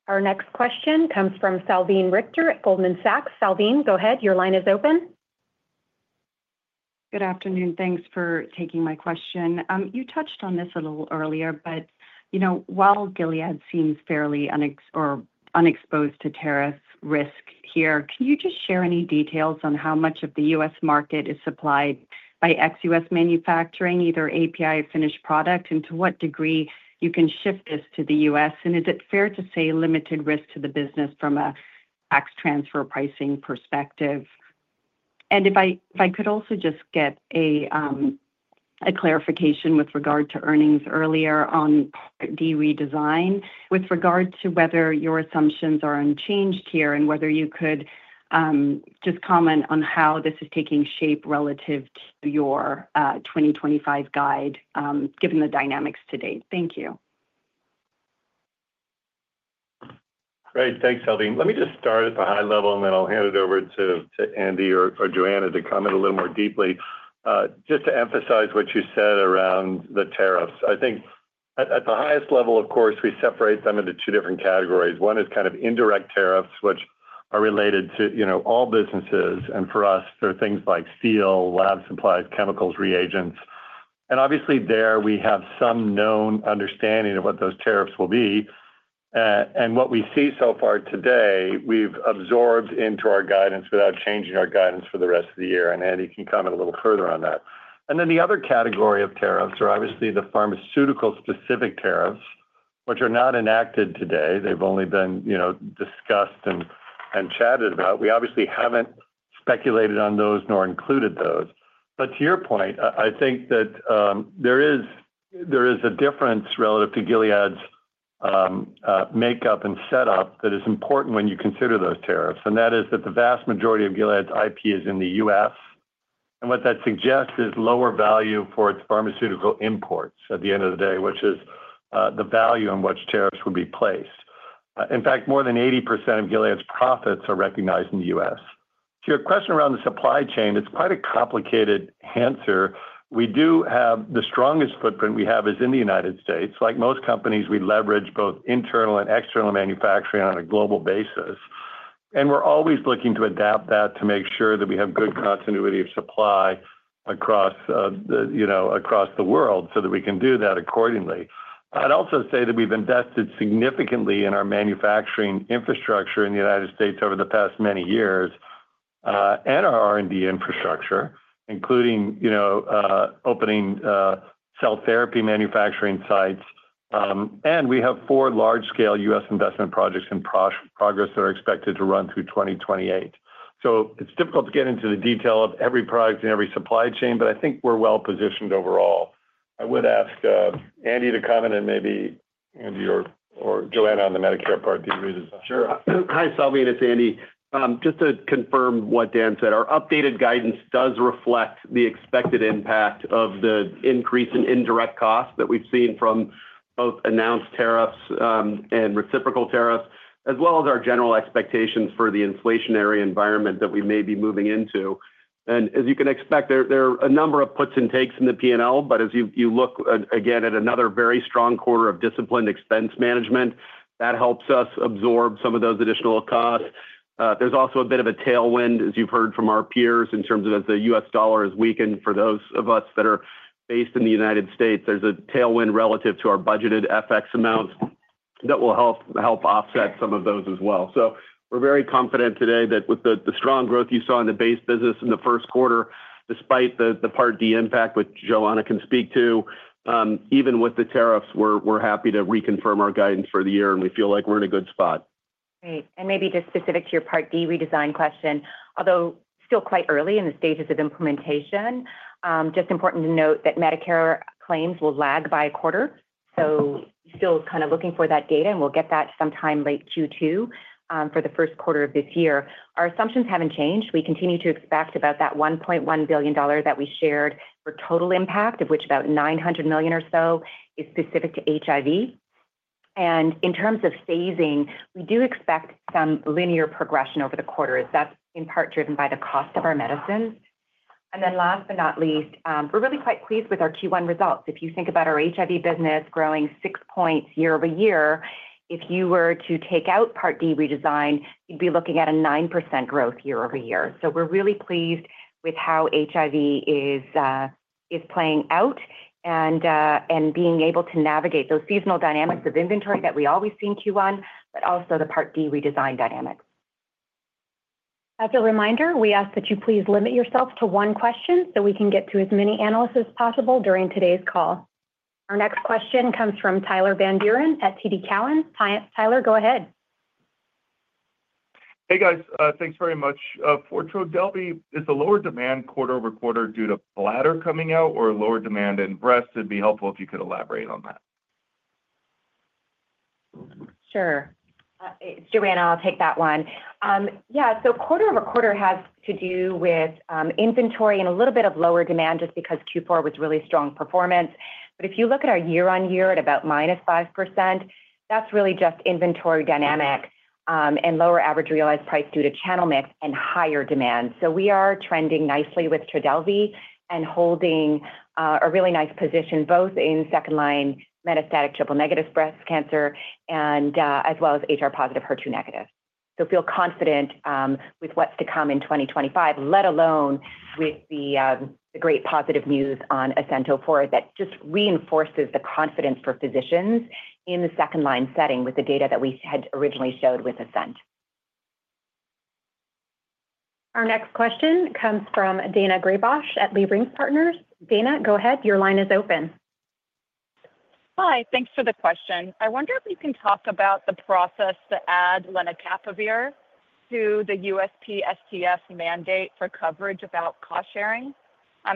Our next question comes from Salveen Richter at Goldman Sachs. Salveen, go ahead. Your line is open. Good afternoon. Thanks for taking my question. You touched on this a little earlier, but while Gilead seems fairly unexposed to tariff risk here, can you just share any details on how much of the US market is supplied by ex-US manufacturing, either API or finished product, and to what degree you can shift this to the US? Is it fair to say limited risk to the business from a tax transfer pricing perspective? If I could also just get a clarification with regard to earnings earlier on Part D redesign with regard to whether your assumptions are unchanged here and whether you could just comment on how this is taking shape relative to your 2025 guide given the dynamics to date. Thank you. Great. Thanks, Salveen. Let me just start at the high level, and then I'll hand it over to Andy or Johanna to comment a little more deeply just to emphasize what you said around the tariffs. I think at the highest level, of course, we separate them into two different categories. One is kind of indirect tariffs, which are related to all businesses. For us, there are things like steel, lab supplies, chemicals, reagents. Obviously there, we have some known understanding of what those tariffs will be. What we see so far today, we've absorbed into our guidance without changing our guidance for the rest of the year. Andy can comment a little further on that. The other category of tariffs are obviously the pharmaceutical-specific tariffs, which are not enacted today. They've only been discussed and chatted about. We obviously have not speculated on those nor included those. To your point, I think that there is a difference relative to Gilead's makeup and setup that is important when you consider those tariffs. That is that the vast majority of Gilead's IP is in the US What that suggests is lower value for its pharmaceutical imports at the end of the day, which is the value on which tariffs would be placed. In fact, more than 80% of Gilead's profits are recognized in the US. To your question around the supply chain, it is quite a complicated answer. We do have the strongest footprint we have in the United States. Like most companies, we leverage both internal and external manufacturing on a global basis. We are always looking to adapt that to make sure that we have good continuity of supply across the world so that we can do that accordingly. I would also say that we have invested significantly in our manufacturing infrastructure in the United States over the past many years and our R&D infrastructure, including opening cell therapy manufacturing sites. We have four large-scale US investment projects in progress that are expected to run through 2028. It is difficult to get into the detail of every product and every supply chain, but I think we are well positioned overall. I would ask Andy to comment and maybe Andy or Johanna on the Medicare Part D redesign. Sure. Hi, Salveen. It is Andy. Just to confirm what Dan said, our updated guidance does reflect the expected impact of the increase in indirect costs that we've seen from both announced tariffs and reciprocal tariffs, as well as our general expectations for the inflationary environment that we may be moving into. As you can expect, there are a number of puts and takes in the P&L, but as you look again at another very strong quarter of disciplined expense management, that helps us absorb some of those additional costs. There is also a bit of a tailwind, as you've heard from our peers, in terms of as the US dollar has weakened for those of us that are based in the United States. There is a tailwind relative to our budgeted FX amounts that will help offset some of those as well. We're very confident today that with the strong growth you saw in the base business in Q1, despite the Part D impact, which Johanna can speak to, even with the tariffs, we're happy to reconfirm our guidance for the year, and we feel like we're in a good spot. Great. Maybe just specific to your Part D redesign question, although still quite early in the stages of implementation, just important to note that Medicare claims will lag by a quarter. Still kind of looking for that data, and we'll get that sometime late Q2 for Q1 of this year. Our assumptions haven't changed. We continue to expect about that $1.1 billion that we shared for total impact, of which about $900 million or so is specific to HIV. In terms of phasing, we do expect some linear progression over the quarters. That is in part driven by the cost of our medicines. Last but not least, we're really quite pleased with our Q1 results. If you think about our HIV business growing 6 points year-over-year, if you were to take out Part D redesign, you'd be looking at a 9% growth year-over-year. We're really pleased with how HIV is playing out and being able to navigate those seasonal dynamics of inventory that we always see in Q1, but also the Part D redesign dynamics. As a reminder, we ask that you please limit yourself to one question so we can get to as many analysts as possible during today's call. Our next question comes from Tyler Van Buren at TD Cowen. Tyler, go ahead. Hey, guys. Thanks very much. For Trodelvy, is the lower demand quarter-over-quarter due to bladder coming out or lower demand in breast? It'd be helpful if you could elaborate on that. Sure. Johanna, I'll take that one. Yeah, quarter-over-quarter has to do with inventory and a little bit of lower demand just because Q4 was really strong performance. If you look at our year-on-year at about -5%, that's really just inventory dynamic and lower average realized price due to channel mix and higher demand. We are trending nicely with Trodelvy and holding a really nice position both in second-line metastatic triple-negative breast cancer as well as HR+/HER2-. I feel confident with what's to come in 2025, let alone with the great positive news on ASCENT-04 that just reinforces the confidence for physicians in the second-line setting with the data that we had originally showed with ASCENT. Our next question comes from Dania Graybosch at Leerink Partners. Daina, go ahead. Your line is open. Hi. Thanks for the question. I wonder if you can talk about the process to add lenacapavir to the USPSTF mandate for coverage about cost sharing,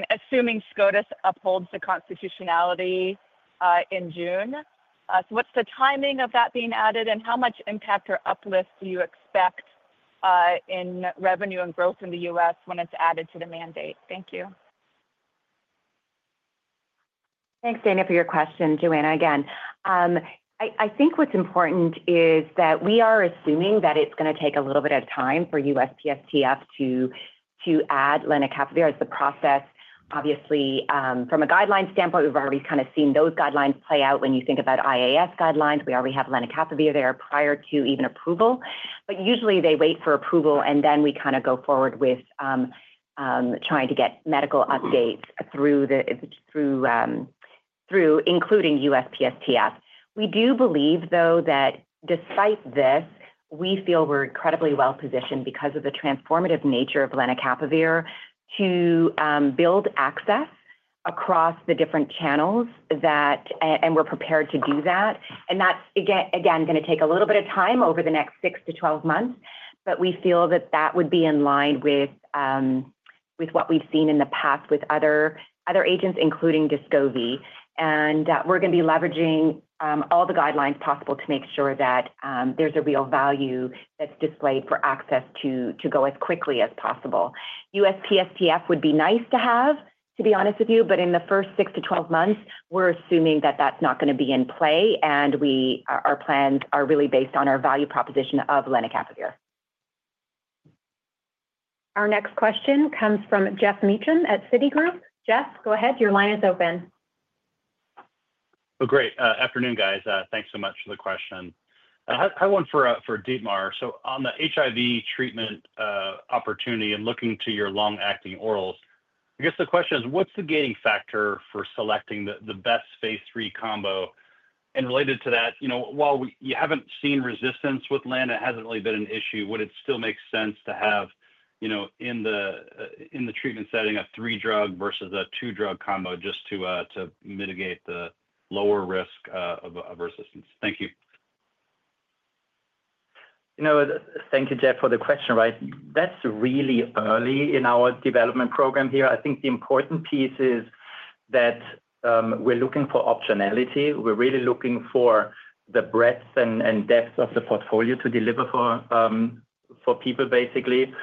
assuming SCOTUS upholds the constitutionality in June. What's the timing of that being added, and how much impact or uplift do you expect in revenue and growth in the US when it's added to the mandate? Thank you. Thanks, Daina, for your question, Joanna, again. I think what's important is that we are assuming that it's going to take a little bit of time for USPSTF to add lenacapavir as the process. Obviously, from a guideline standpoint, we've already kind of seen those guidelines play out when you think about IAS guidelines. We already have lenacapavir there prior to even approval. Usually, they wait for approval, and then we kind of go forward with trying to get medical updates through including USPSTF. We do believe, though, that despite this, we feel we're incredibly well positioned because of the transformative nature of lenacapavir to build access across the different channels, and we're prepared to do that. That is, again, going to take a little bit of time over the next 6 to 12 months, but we feel that that would be in line with what we have seen in the past with other agents, including DESCOVY. We are going to be leveraging all the guidelines possible to make sure that there is a real value that is displayed for access to go as quickly as possible. USPSTF would be nice to have, to be honest with you, but in the first 6 to 12 months, we are assuming that that is not going to be in play, and our plans are really based on our value proposition of lenacapavir. Our next question comes from Geoff Meacham at Citi Group. Jeff, go ahead. Your line is open. Oh, great. Afternoon, guys. Thanks so much for the question. I have one for Dietmar. On the HIV treatment opportunity and looking to your long-acting orals, I guess the question is, what's the gating factor for selecting the best phase III combo? Related to that, while you haven't seen resistance with LEN, it hasn't really been an issue, would it still make sense to have in the treatment setting a three-drug versus a two-drug combo just to mitigate the lower risk of resistance? Thank you. Thank you, Jeff, for the question. Right? That's really early in our development program here. I think the important piece is that we're looking for optionality. We're really looking for the breadth and depth of the portfolio to deliver for people, basically,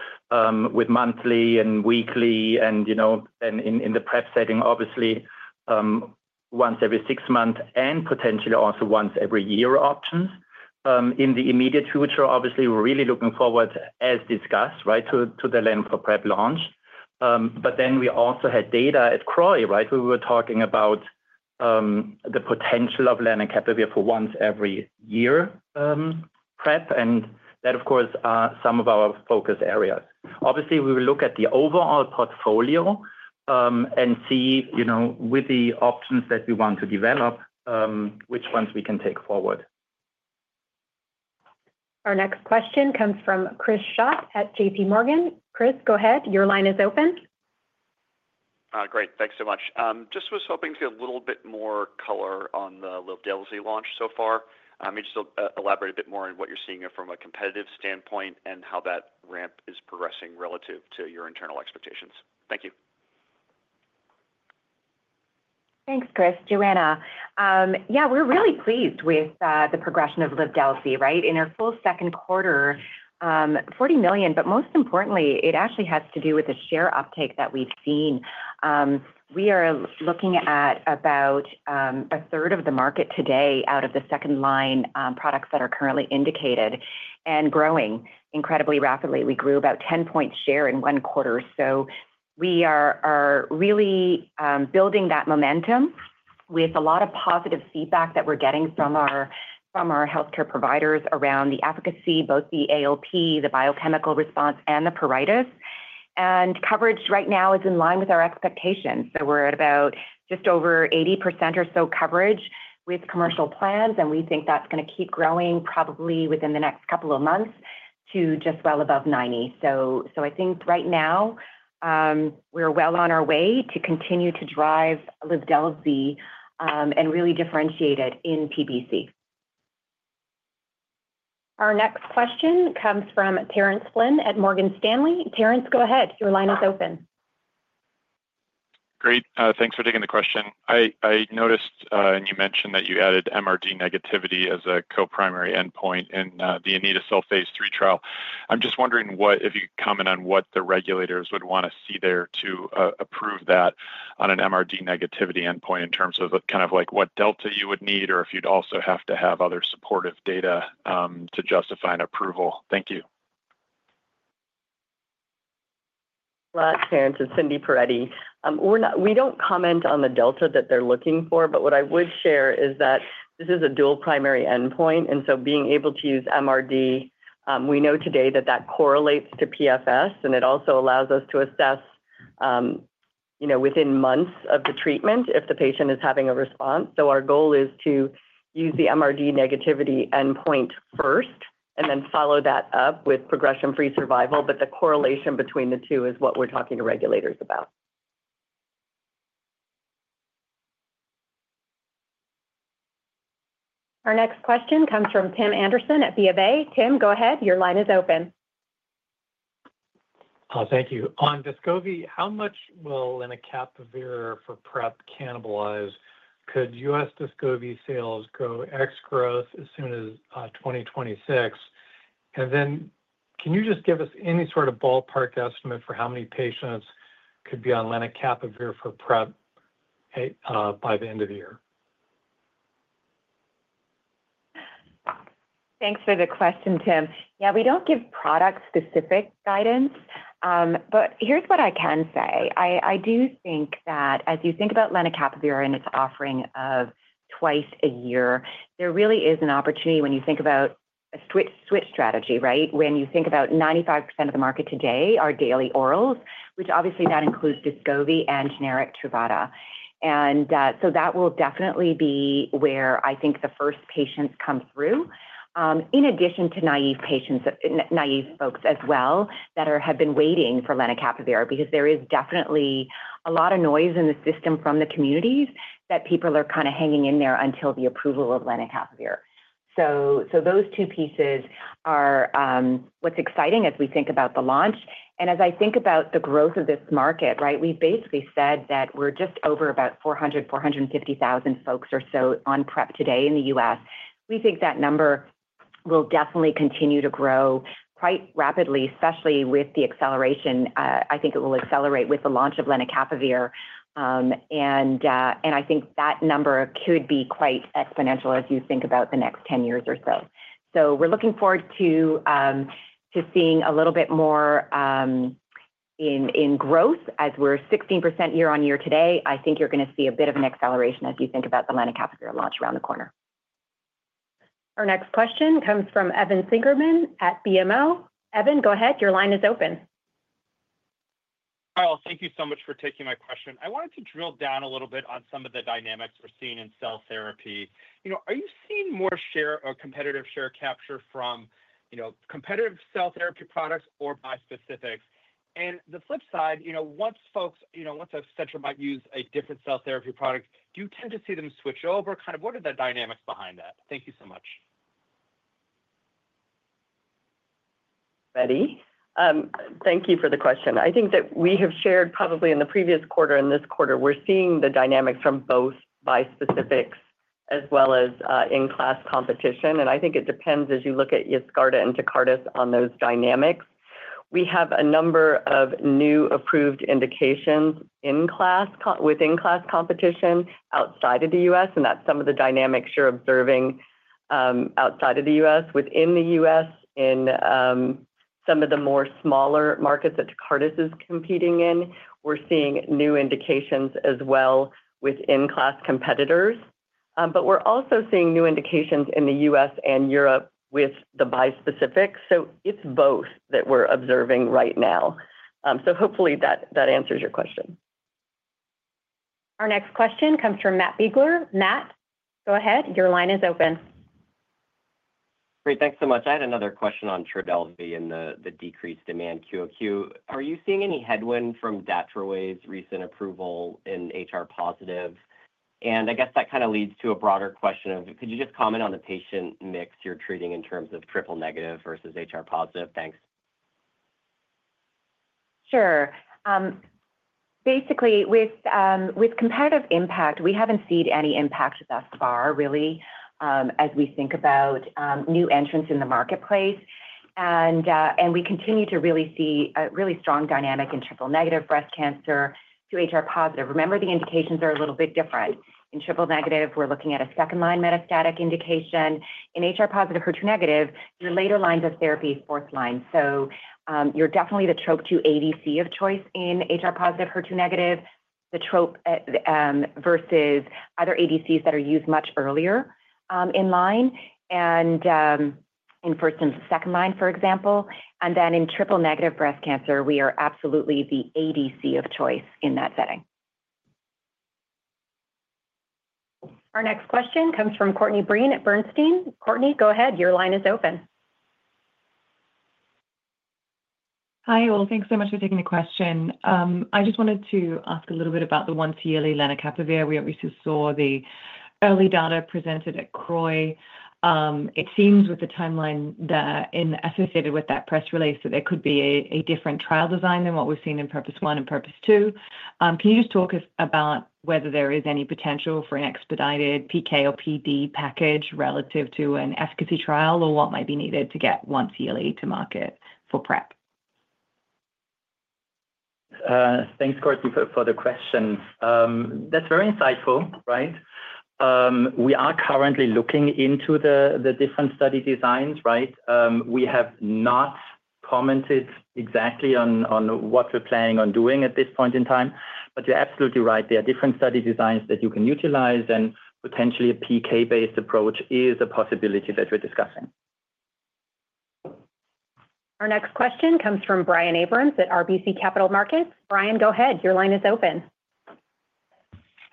with monthly and weekly and in the PrEP setting, obviously, once every six months and potentially also once every year options. In the immediate future, obviously, we're really looking forward, as discussed, right, to the LEN for PrEP launch. We also had data at CROI, right? We were talking about the potential of lenacapavir for once every year PrEP. That, of course, is some of our focus areas. Obviously, we will look at the overall portfolio and see with the options that we want to develop, which ones we can take forward. Our next question comes from Chris Schott at JPMorgan. Chris, go ahead. Your line is open. Great. Thanks so much. Just was hoping to get a little bit more color on the Livdelzi launch so far. Just elaborate a bit more on what you're seeing from a competitive standpoint and how that ramp is progressing relative to your internal expectations. Thank you. Thanks, Chris. Johanna, yeah, we're really pleased with the progression of Livdelzi, right? In our full Q2, $40 million, but most importantly, it actually has to do with the share uptake that we've seen. We are looking at about a 1/3 of the market today out of the second-line products that are currently indicated and growing incredibly rapidly. We grew about 10 percentage points share in one quarter. We are really building that momentum with a lot of positive feedback that we're getting from our healthcare providers around the efficacy, both the AOP, the biochemical response, and the pruritus. Coverage right now is in line with our expectations. We're at about just over 80% or so coverage with commercial plans, and we think that's going to keep growing probably within the next couple of months to just well above 90%. I think right now, we're well on our way to continue to drive Livdelzi and really differentiate it in PBC. Our next question comes from Terence Flynn at Morgan Stanley. Terence, go ahead. Your line is open. Great. Thanks for taking the question. I noticed and you mentioned that you added MRD negativity as a co-primary endpoint in the anito-cel phase III trial. I'm just wondering if you could comment on what the regulators would want to see there to approve that on an MRD negativity endpoint in terms of kind of like what delta you would need or if you'd also have to have other supportive data to justify an approval. Thank you. Terence, it's Cindy Perettie. We don't comment on the delta that they're looking for, but what I would share is that this is a dual primary endpoint. Being able to use MRD, we know today that that correlates to PFS, and it also allows us to assess within months of the treatment if the patient is having a response. Our goal is to use the MRD negativity endpoint first and then follow that up with progression-free survival. The correlation between the two is what we're talking to regulators about. Our next question comes from Tim Anderson at BofA. Tim, go ahead. Your line is open. Thank you. On Biktarvy, how much will lenacapavir for PrEP cannibalize? Could US Biktarvy sales go ex-growth as soon as 2026? Could you just give us any sort of ballpark estimate for how many patients could be on lenacapavir for PrEP by the end of the year? Thanks for the question, Tim. Yeah, we don't give product-specific guidance, but here's what I can say. I do think that as you think about lenacapavir and its offering of twice a year, there really is an opportunity when you think about a switch strategy, right? When you think about 95% of the market today are daily orals, which obviously that includes Biktarvy and generic Truvada. That will definitely be where I think the first patients come through, in addition to naive folks as well that have been waiting for lenacapavir because there is definitely a lot of noise in the system from the communities that people are kind of hanging in there until the approval of lenacapavir. Those two pieces are what's exciting as we think about the launch. As I think about the growth of this market, right, we've basically said that we're just over about 400,000, 450,000 folks or so on PrEP today in the US. We think that number will definitely continue to grow quite rapidly, especially with the acceleration. I think it will accelerate with the launch of lenacapavir. I think that number could be quite exponential as you think about the next 10 years or so. We are looking forward to seeing a little bit more in growth as we're 16% year-on-year today. I think you're going to see a bit of an acceleration as you think about the lenacapavir launch around the corner. Our next question comes from Evan Seigerman at BMO. Evan, go ahead. Your line is open. Hi. Thank you so much for taking my question. I wanted to drill down a little bit on some of the dynamics we're seeing in cell therapy. Are you seeing more competitive share capture from competitive cell therapy products or by specifics? The flip side, once folks, once a center might use a different cell therapy product, do you tend to see them switch over? Kind of what are the dynamics behind that? Thank you so much. Ready. Thank you for the question. I think that we have shared probably in the previous quarter and this quarter, we're seeing the dynamics from both bispecifics as well as in-class competition. I think it depends as you look at Yescarta and Tecartus on those dynamics. We have a number of new approved indications within-class competition outside of the US That is some of the dynamics you're observing outside of the US, within the US, in some of the more smaller markets that Tecartus is competing in. We're seeing new indications as well with in-class competitors. We're also seeing new indications in the US and Europe with the bispecifics. It is both that we're observing right now. Hopefully that answers your question. Our next question comes from Matt Biegler. Matt, go ahead. Your line is open. Great. Thanks so much. I had another question on Trodelvy and the decreased demand QoQ. Are you seeing any headwind from Datraway's recent approval in HR-positive? I guess that kind of leads to a broader question of, could you just comment on the patient mix you're treating in terms of triple-negative versus HR-positive? Thanks. Sure. Basically, with competitive impact, we have not seen any impact thus far, really, as we think about new entrants in the marketplace. We continue to really see a really strong dynamic in triple-negative breast cancer to HR-positive. Remember, the indications are a little bit different. In triple-negative, we are looking at a second-line metastatic indication. In HR+/HER2-, your later lines of therapy is fourth line. You are definitely the trope to ADC of choice in HR+/HER2-, the trope versus other ADCs that are used much earlier in line, and in first and second line, for example. In triple-negative breast cancer, we are absolutely the ADC of choice in that setting. Our next question comes from Courtney Breen at Bernstein. Courtney, go ahead. Your line is open. Hi. Thanks so much for taking the question. I just wanted to ask a little bit about the once yearly lenacapavir. We obviously saw the early data presented at CROI. It seems with the timeline that in associated with that press release that there could be a different trial design than what we've seen in PURPOSE 1 and PURPOSE 2. Can you just talk about whether there is any potential for an expedited PK or PD package relative to an efficacy trial or what might be needed to get once yearly to market for PrEP? Thanks, Courtney, for the question. That's very insightful, right? We are currently looking into the different study designs, right? We have not commented exactly on what we're planning on doing at this point in time. You're absolutely right. There are different study designs that you can utilize, and potentially a PK-based approach is a possibility that we're discussing. Our next question comes from Brian Abrams at RBC Capital Markets. Brian, go ahead. Your line is open.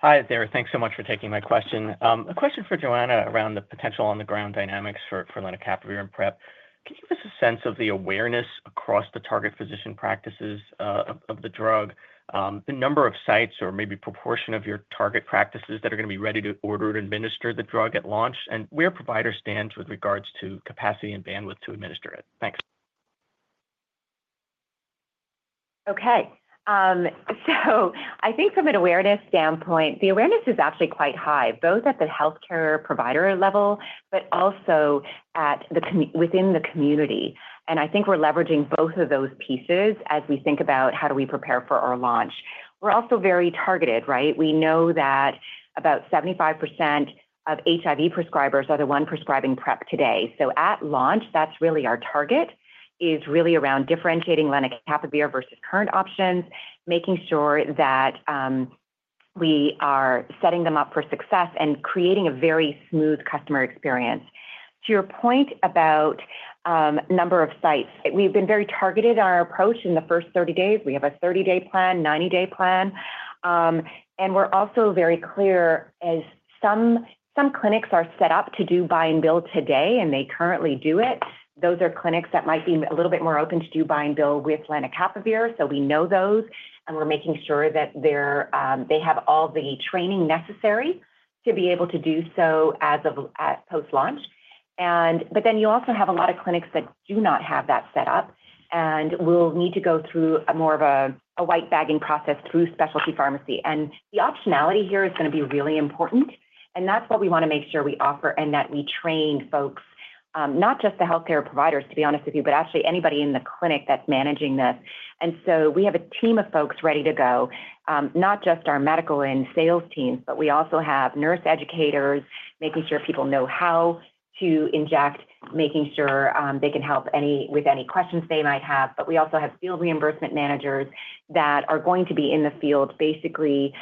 Hi, there. Thanks so much for taking my question. A question for Johanna around the potential on-the-ground dynamics for lenacapavir and PrEP. Can you give us a sense of the awareness across the target physician practices of the drug, the number of sites or maybe proportion of your target practices that are going to be ready to order and administer the drug at launch, and where providers stand with regards to capacity and bandwidth to administer it? Thanks. Okay. I think from an awareness standpoint, the awareness is actually quite high, both at the healthcare provider level, but also within the community. I think we're leveraging both of those pieces as we think about how do we prepare for our launch. We're also very targeted, right? We know that about 75% of HIV prescribers are the ones prescribing PrEP today. At launch, that's really our target, really around differentiating lenacapavir versus current options, making sure that we are setting them up for success and creating a very smooth customer experience. To your point about number of sites, we've been very targeted in our approach in the first 30 days. We have a 30-day plan, 90-day plan. We're also very clear as some clinics are set up to do buy and bill today, and they currently do it. Those are clinics that might be a little bit more open to do buy and bill with lenacapavir. We know those, and we're making sure that they have all the training necessary to be able to do so as of post-launch. You also have a lot of clinics that do not have that set up and will need to go through more of a white bagging process through specialty pharmacy. The optionality here is going to be really important. That is what we want to make sure we offer and that we train folks, not just the healthcare providers, to be honest with you, but actually anybody in the clinic that's managing this. We have a team of folks ready to go, not just our medical and sales teams, but we also have nurse educators making sure people know how to inject, making sure they can help with any questions they might have. We also have field reimbursement managers that are going to be in the field basically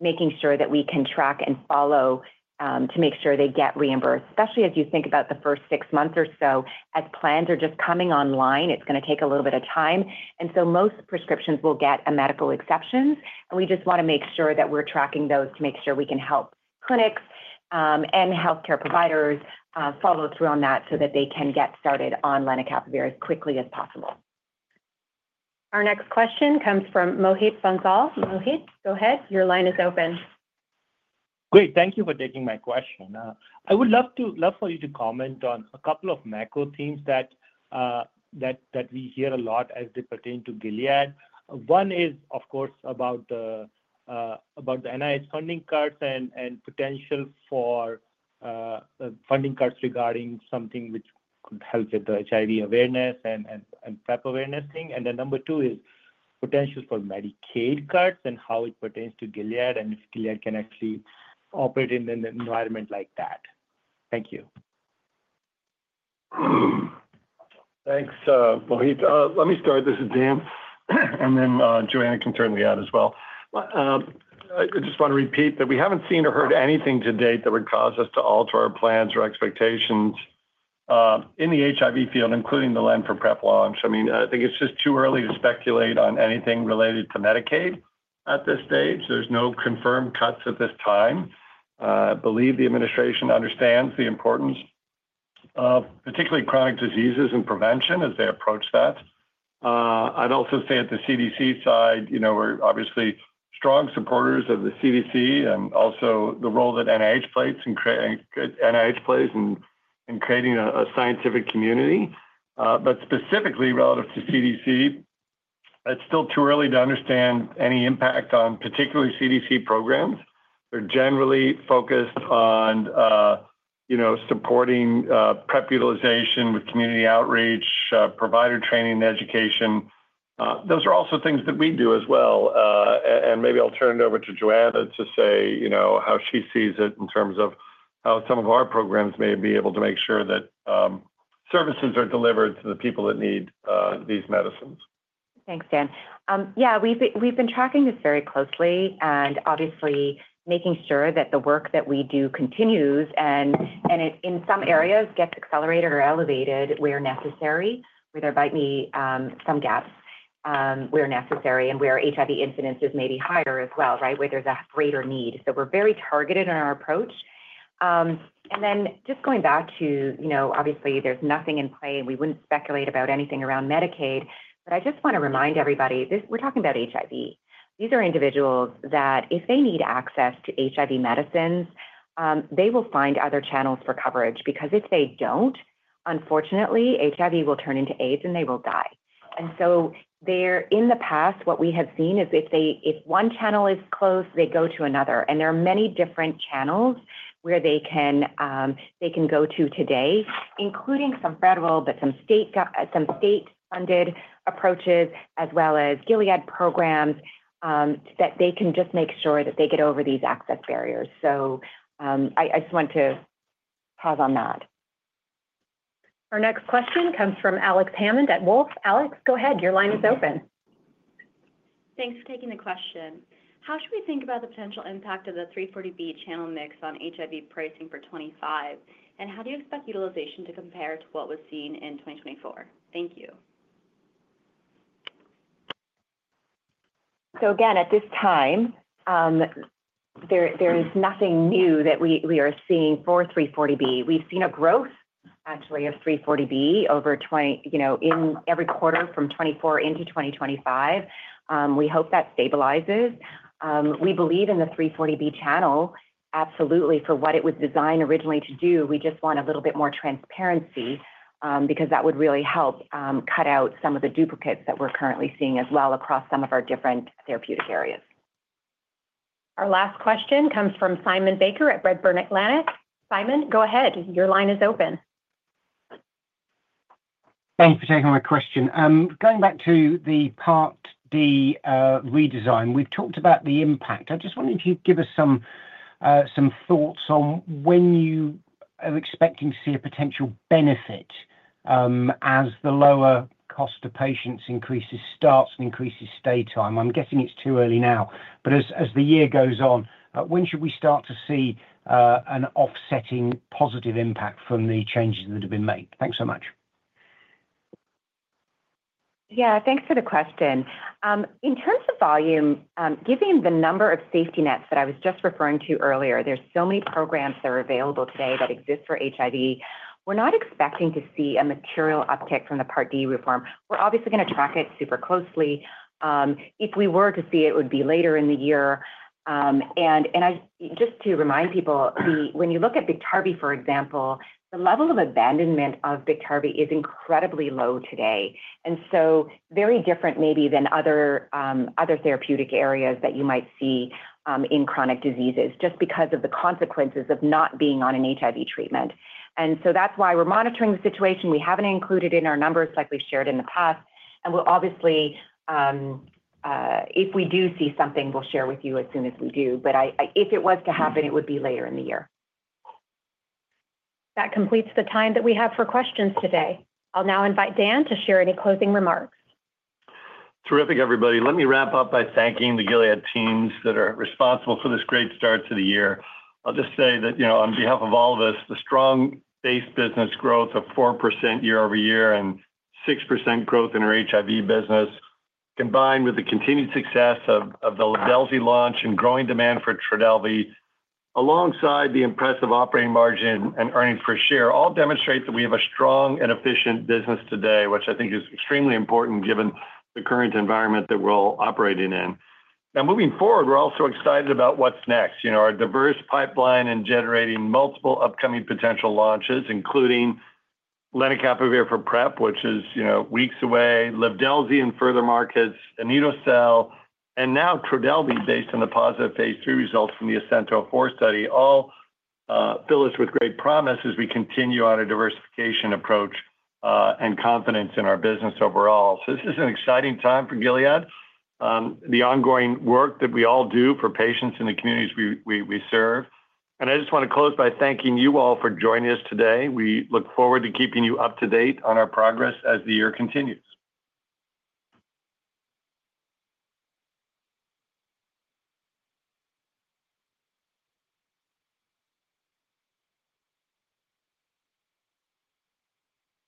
making sure that we can track and follow to make sure they get reimbursed, especially as you think about the first six months or so as plans are just coming online. It's going to take a little bit of time. Most prescriptions will get a medical exception. We just want to make sure that we're tracking those to make sure we can help clinics and healthcare providers follow through on that so that they can get started on lenacapavir as quickly as possible. Our next question comes from Mohit Bhansal. Mohit, go ahead. Your line is open. Great. Thank you for taking my question. I would love for you to comment on a couple of macro themes that we hear a lot as they pertain to Gilead. One is, of course, about the NIH funding cards and potential for funding cards regarding something which could help with the HIV awareness and PrEP awareness thing. Number two is potential for Medicaid cards and how it pertains to Gilead and if Gilead can actually operate in an environment like that. Thank you. Thanks, Mohit. Let me start. This is Dan. Then Johanna can turn to that as well. I just want to repeat that we haven't seen or heard anything to date that would cause us to alter our plans or expectations in the HIV field, including the lenacapavir for PrEP launch. I mean, I think it's just too early to speculate on anything related to Medicaid at this stage. There's no confirmed cuts at this time. I believe the administration understands the importance of particularly chronic diseases and prevention as they approach that. I'd also say at the CDC side, we're obviously strong supporters of the CDC and also the role that NIH plays in creating a scientific community. Specifically relative to CDC, it's still too early to understand any impact on particularly CDC programs. They're generally focused on supporting PrEP utilization with community outreach, provider training, and education. Those are also things that we do as well. Maybe I'll turn it over to Johanna to say how she sees it in terms of how some of our programs may be able to make sure that services are delivered to the people that need these medicines. Thanks, Dan. Yeah, we've been tracking this very closely and obviously making sure that the work that we do continues and in some areas gets accelerated or elevated where necessary, where there might be some gaps where necessary and where HIV incidences may be higher as well, right, where there's a greater need. We are very targeted in our approach. Just going back to, obviously, there's nothing in play. We wouldn't speculate about anything around Medicaid. I just want to remind everybody, we're talking about HIV. These are individuals that if they need access to HIV medicines, they will find other channels for coverage because if they don't, unfortunately, HIV will turn into AIDS and they will die. In the past, what we have seen is if one channel is closed, they go to another. There are many different channels where they can go to today, including some federal, but some state-funded approaches as well as Gilead programs that they can just make sure that they get over these access barriers. I just want to pause on that. Our next question comes from Alex Hammond at Wolfe. Alex, go ahead. Your line is open. Thanks for taking the question. How should we think about the potential impact of the 340B channel mix on HIV pricing for 2025? How do you expect utilization to compare to what was seen in 2024? Thank you. At this time, there is nothing new that we are seeing for 340B. We've seen a growth actually of 340B in every quarter from 2024 into 2025. We hope that stabilizes. We believe in the 340B channel, absolutely, for what it was designed originally to do. We just want a little bit more transparency because that would really help cut out some of the duplicates that we're currently seeing as well across some of our different therapeutic areas. Our last question comes from Simon Baker at Redburn Atlantic. Simon, go ahead. Your line is open. Thanks for taking my question. Going back to the Part D redesign, we've talked about the impact. I just wanted you to give us some thoughts on when you are expecting to see a potential benefit as the lower cost of patients increases starts and increases stay time. I'm guessing it's too early now. As the year goes on, when should we start to see an offsetting positive impact from the changes that have been made? Thanks so much. Yeah, thanks for the question. In terms of volume, given the number of safety nets that I was just referring to earlier, there are so many programs that are available today that exist for HIV. We're not expecting to see a material uptick from the Part D reform. We're obviously going to track it super closely. If we were to see it, it would be later in the year. Just to remind people, when you look at Biktarvy, for example, the level of abandonment of Biktarvy is incredibly low today. Very different maybe than other therapeutic areas that you might see in chronic diseases just because of the consequences of not being on an HIV treatment. That is why we're monitoring the situation. We haven't included it in our numbers like we shared in the past. Obviously, if we do see something, we'll share with you as soon as we do. If it was to happen, it would be later in the year. That completes the time that we have for questions today. I'll now invite Dan to share any closing remarks. Terrific, everybody. Let me wrap up by thanking the Gilead teams that are responsible for this great start to the year. I'll just say that on behalf of all of us, the strong base business growth of 4% year-over-year and 6% growth in our HIV business, combined with the continued success of the Livdelzi launch and growing demand for Trodelvy, alongside the impressive operating margin and earnings per share, all demonstrate that we have a strong and efficient business today, which I think is extremely important given the current environment that we're all operating in. Now, moving forward, we're also excited about what's next. Our diverse pipeline and generating multiple upcoming potential launches, including lenacapavir for PrEP, which is weeks away, Livdelzi in further markets, anito-cel, and now Trodelvy based on the positive phase three results from theASCENT-04 study, all fill us with great promise as we continue on a diversification approach and confidence in our business overall. This is an exciting time for Gilead Sciences, the ongoing work that we all do for patients in the communities we serve. I just want to close by thanking you all for joining us today. We look forward to keeping you up to date on our progress as the year continues.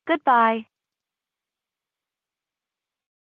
Goodbye.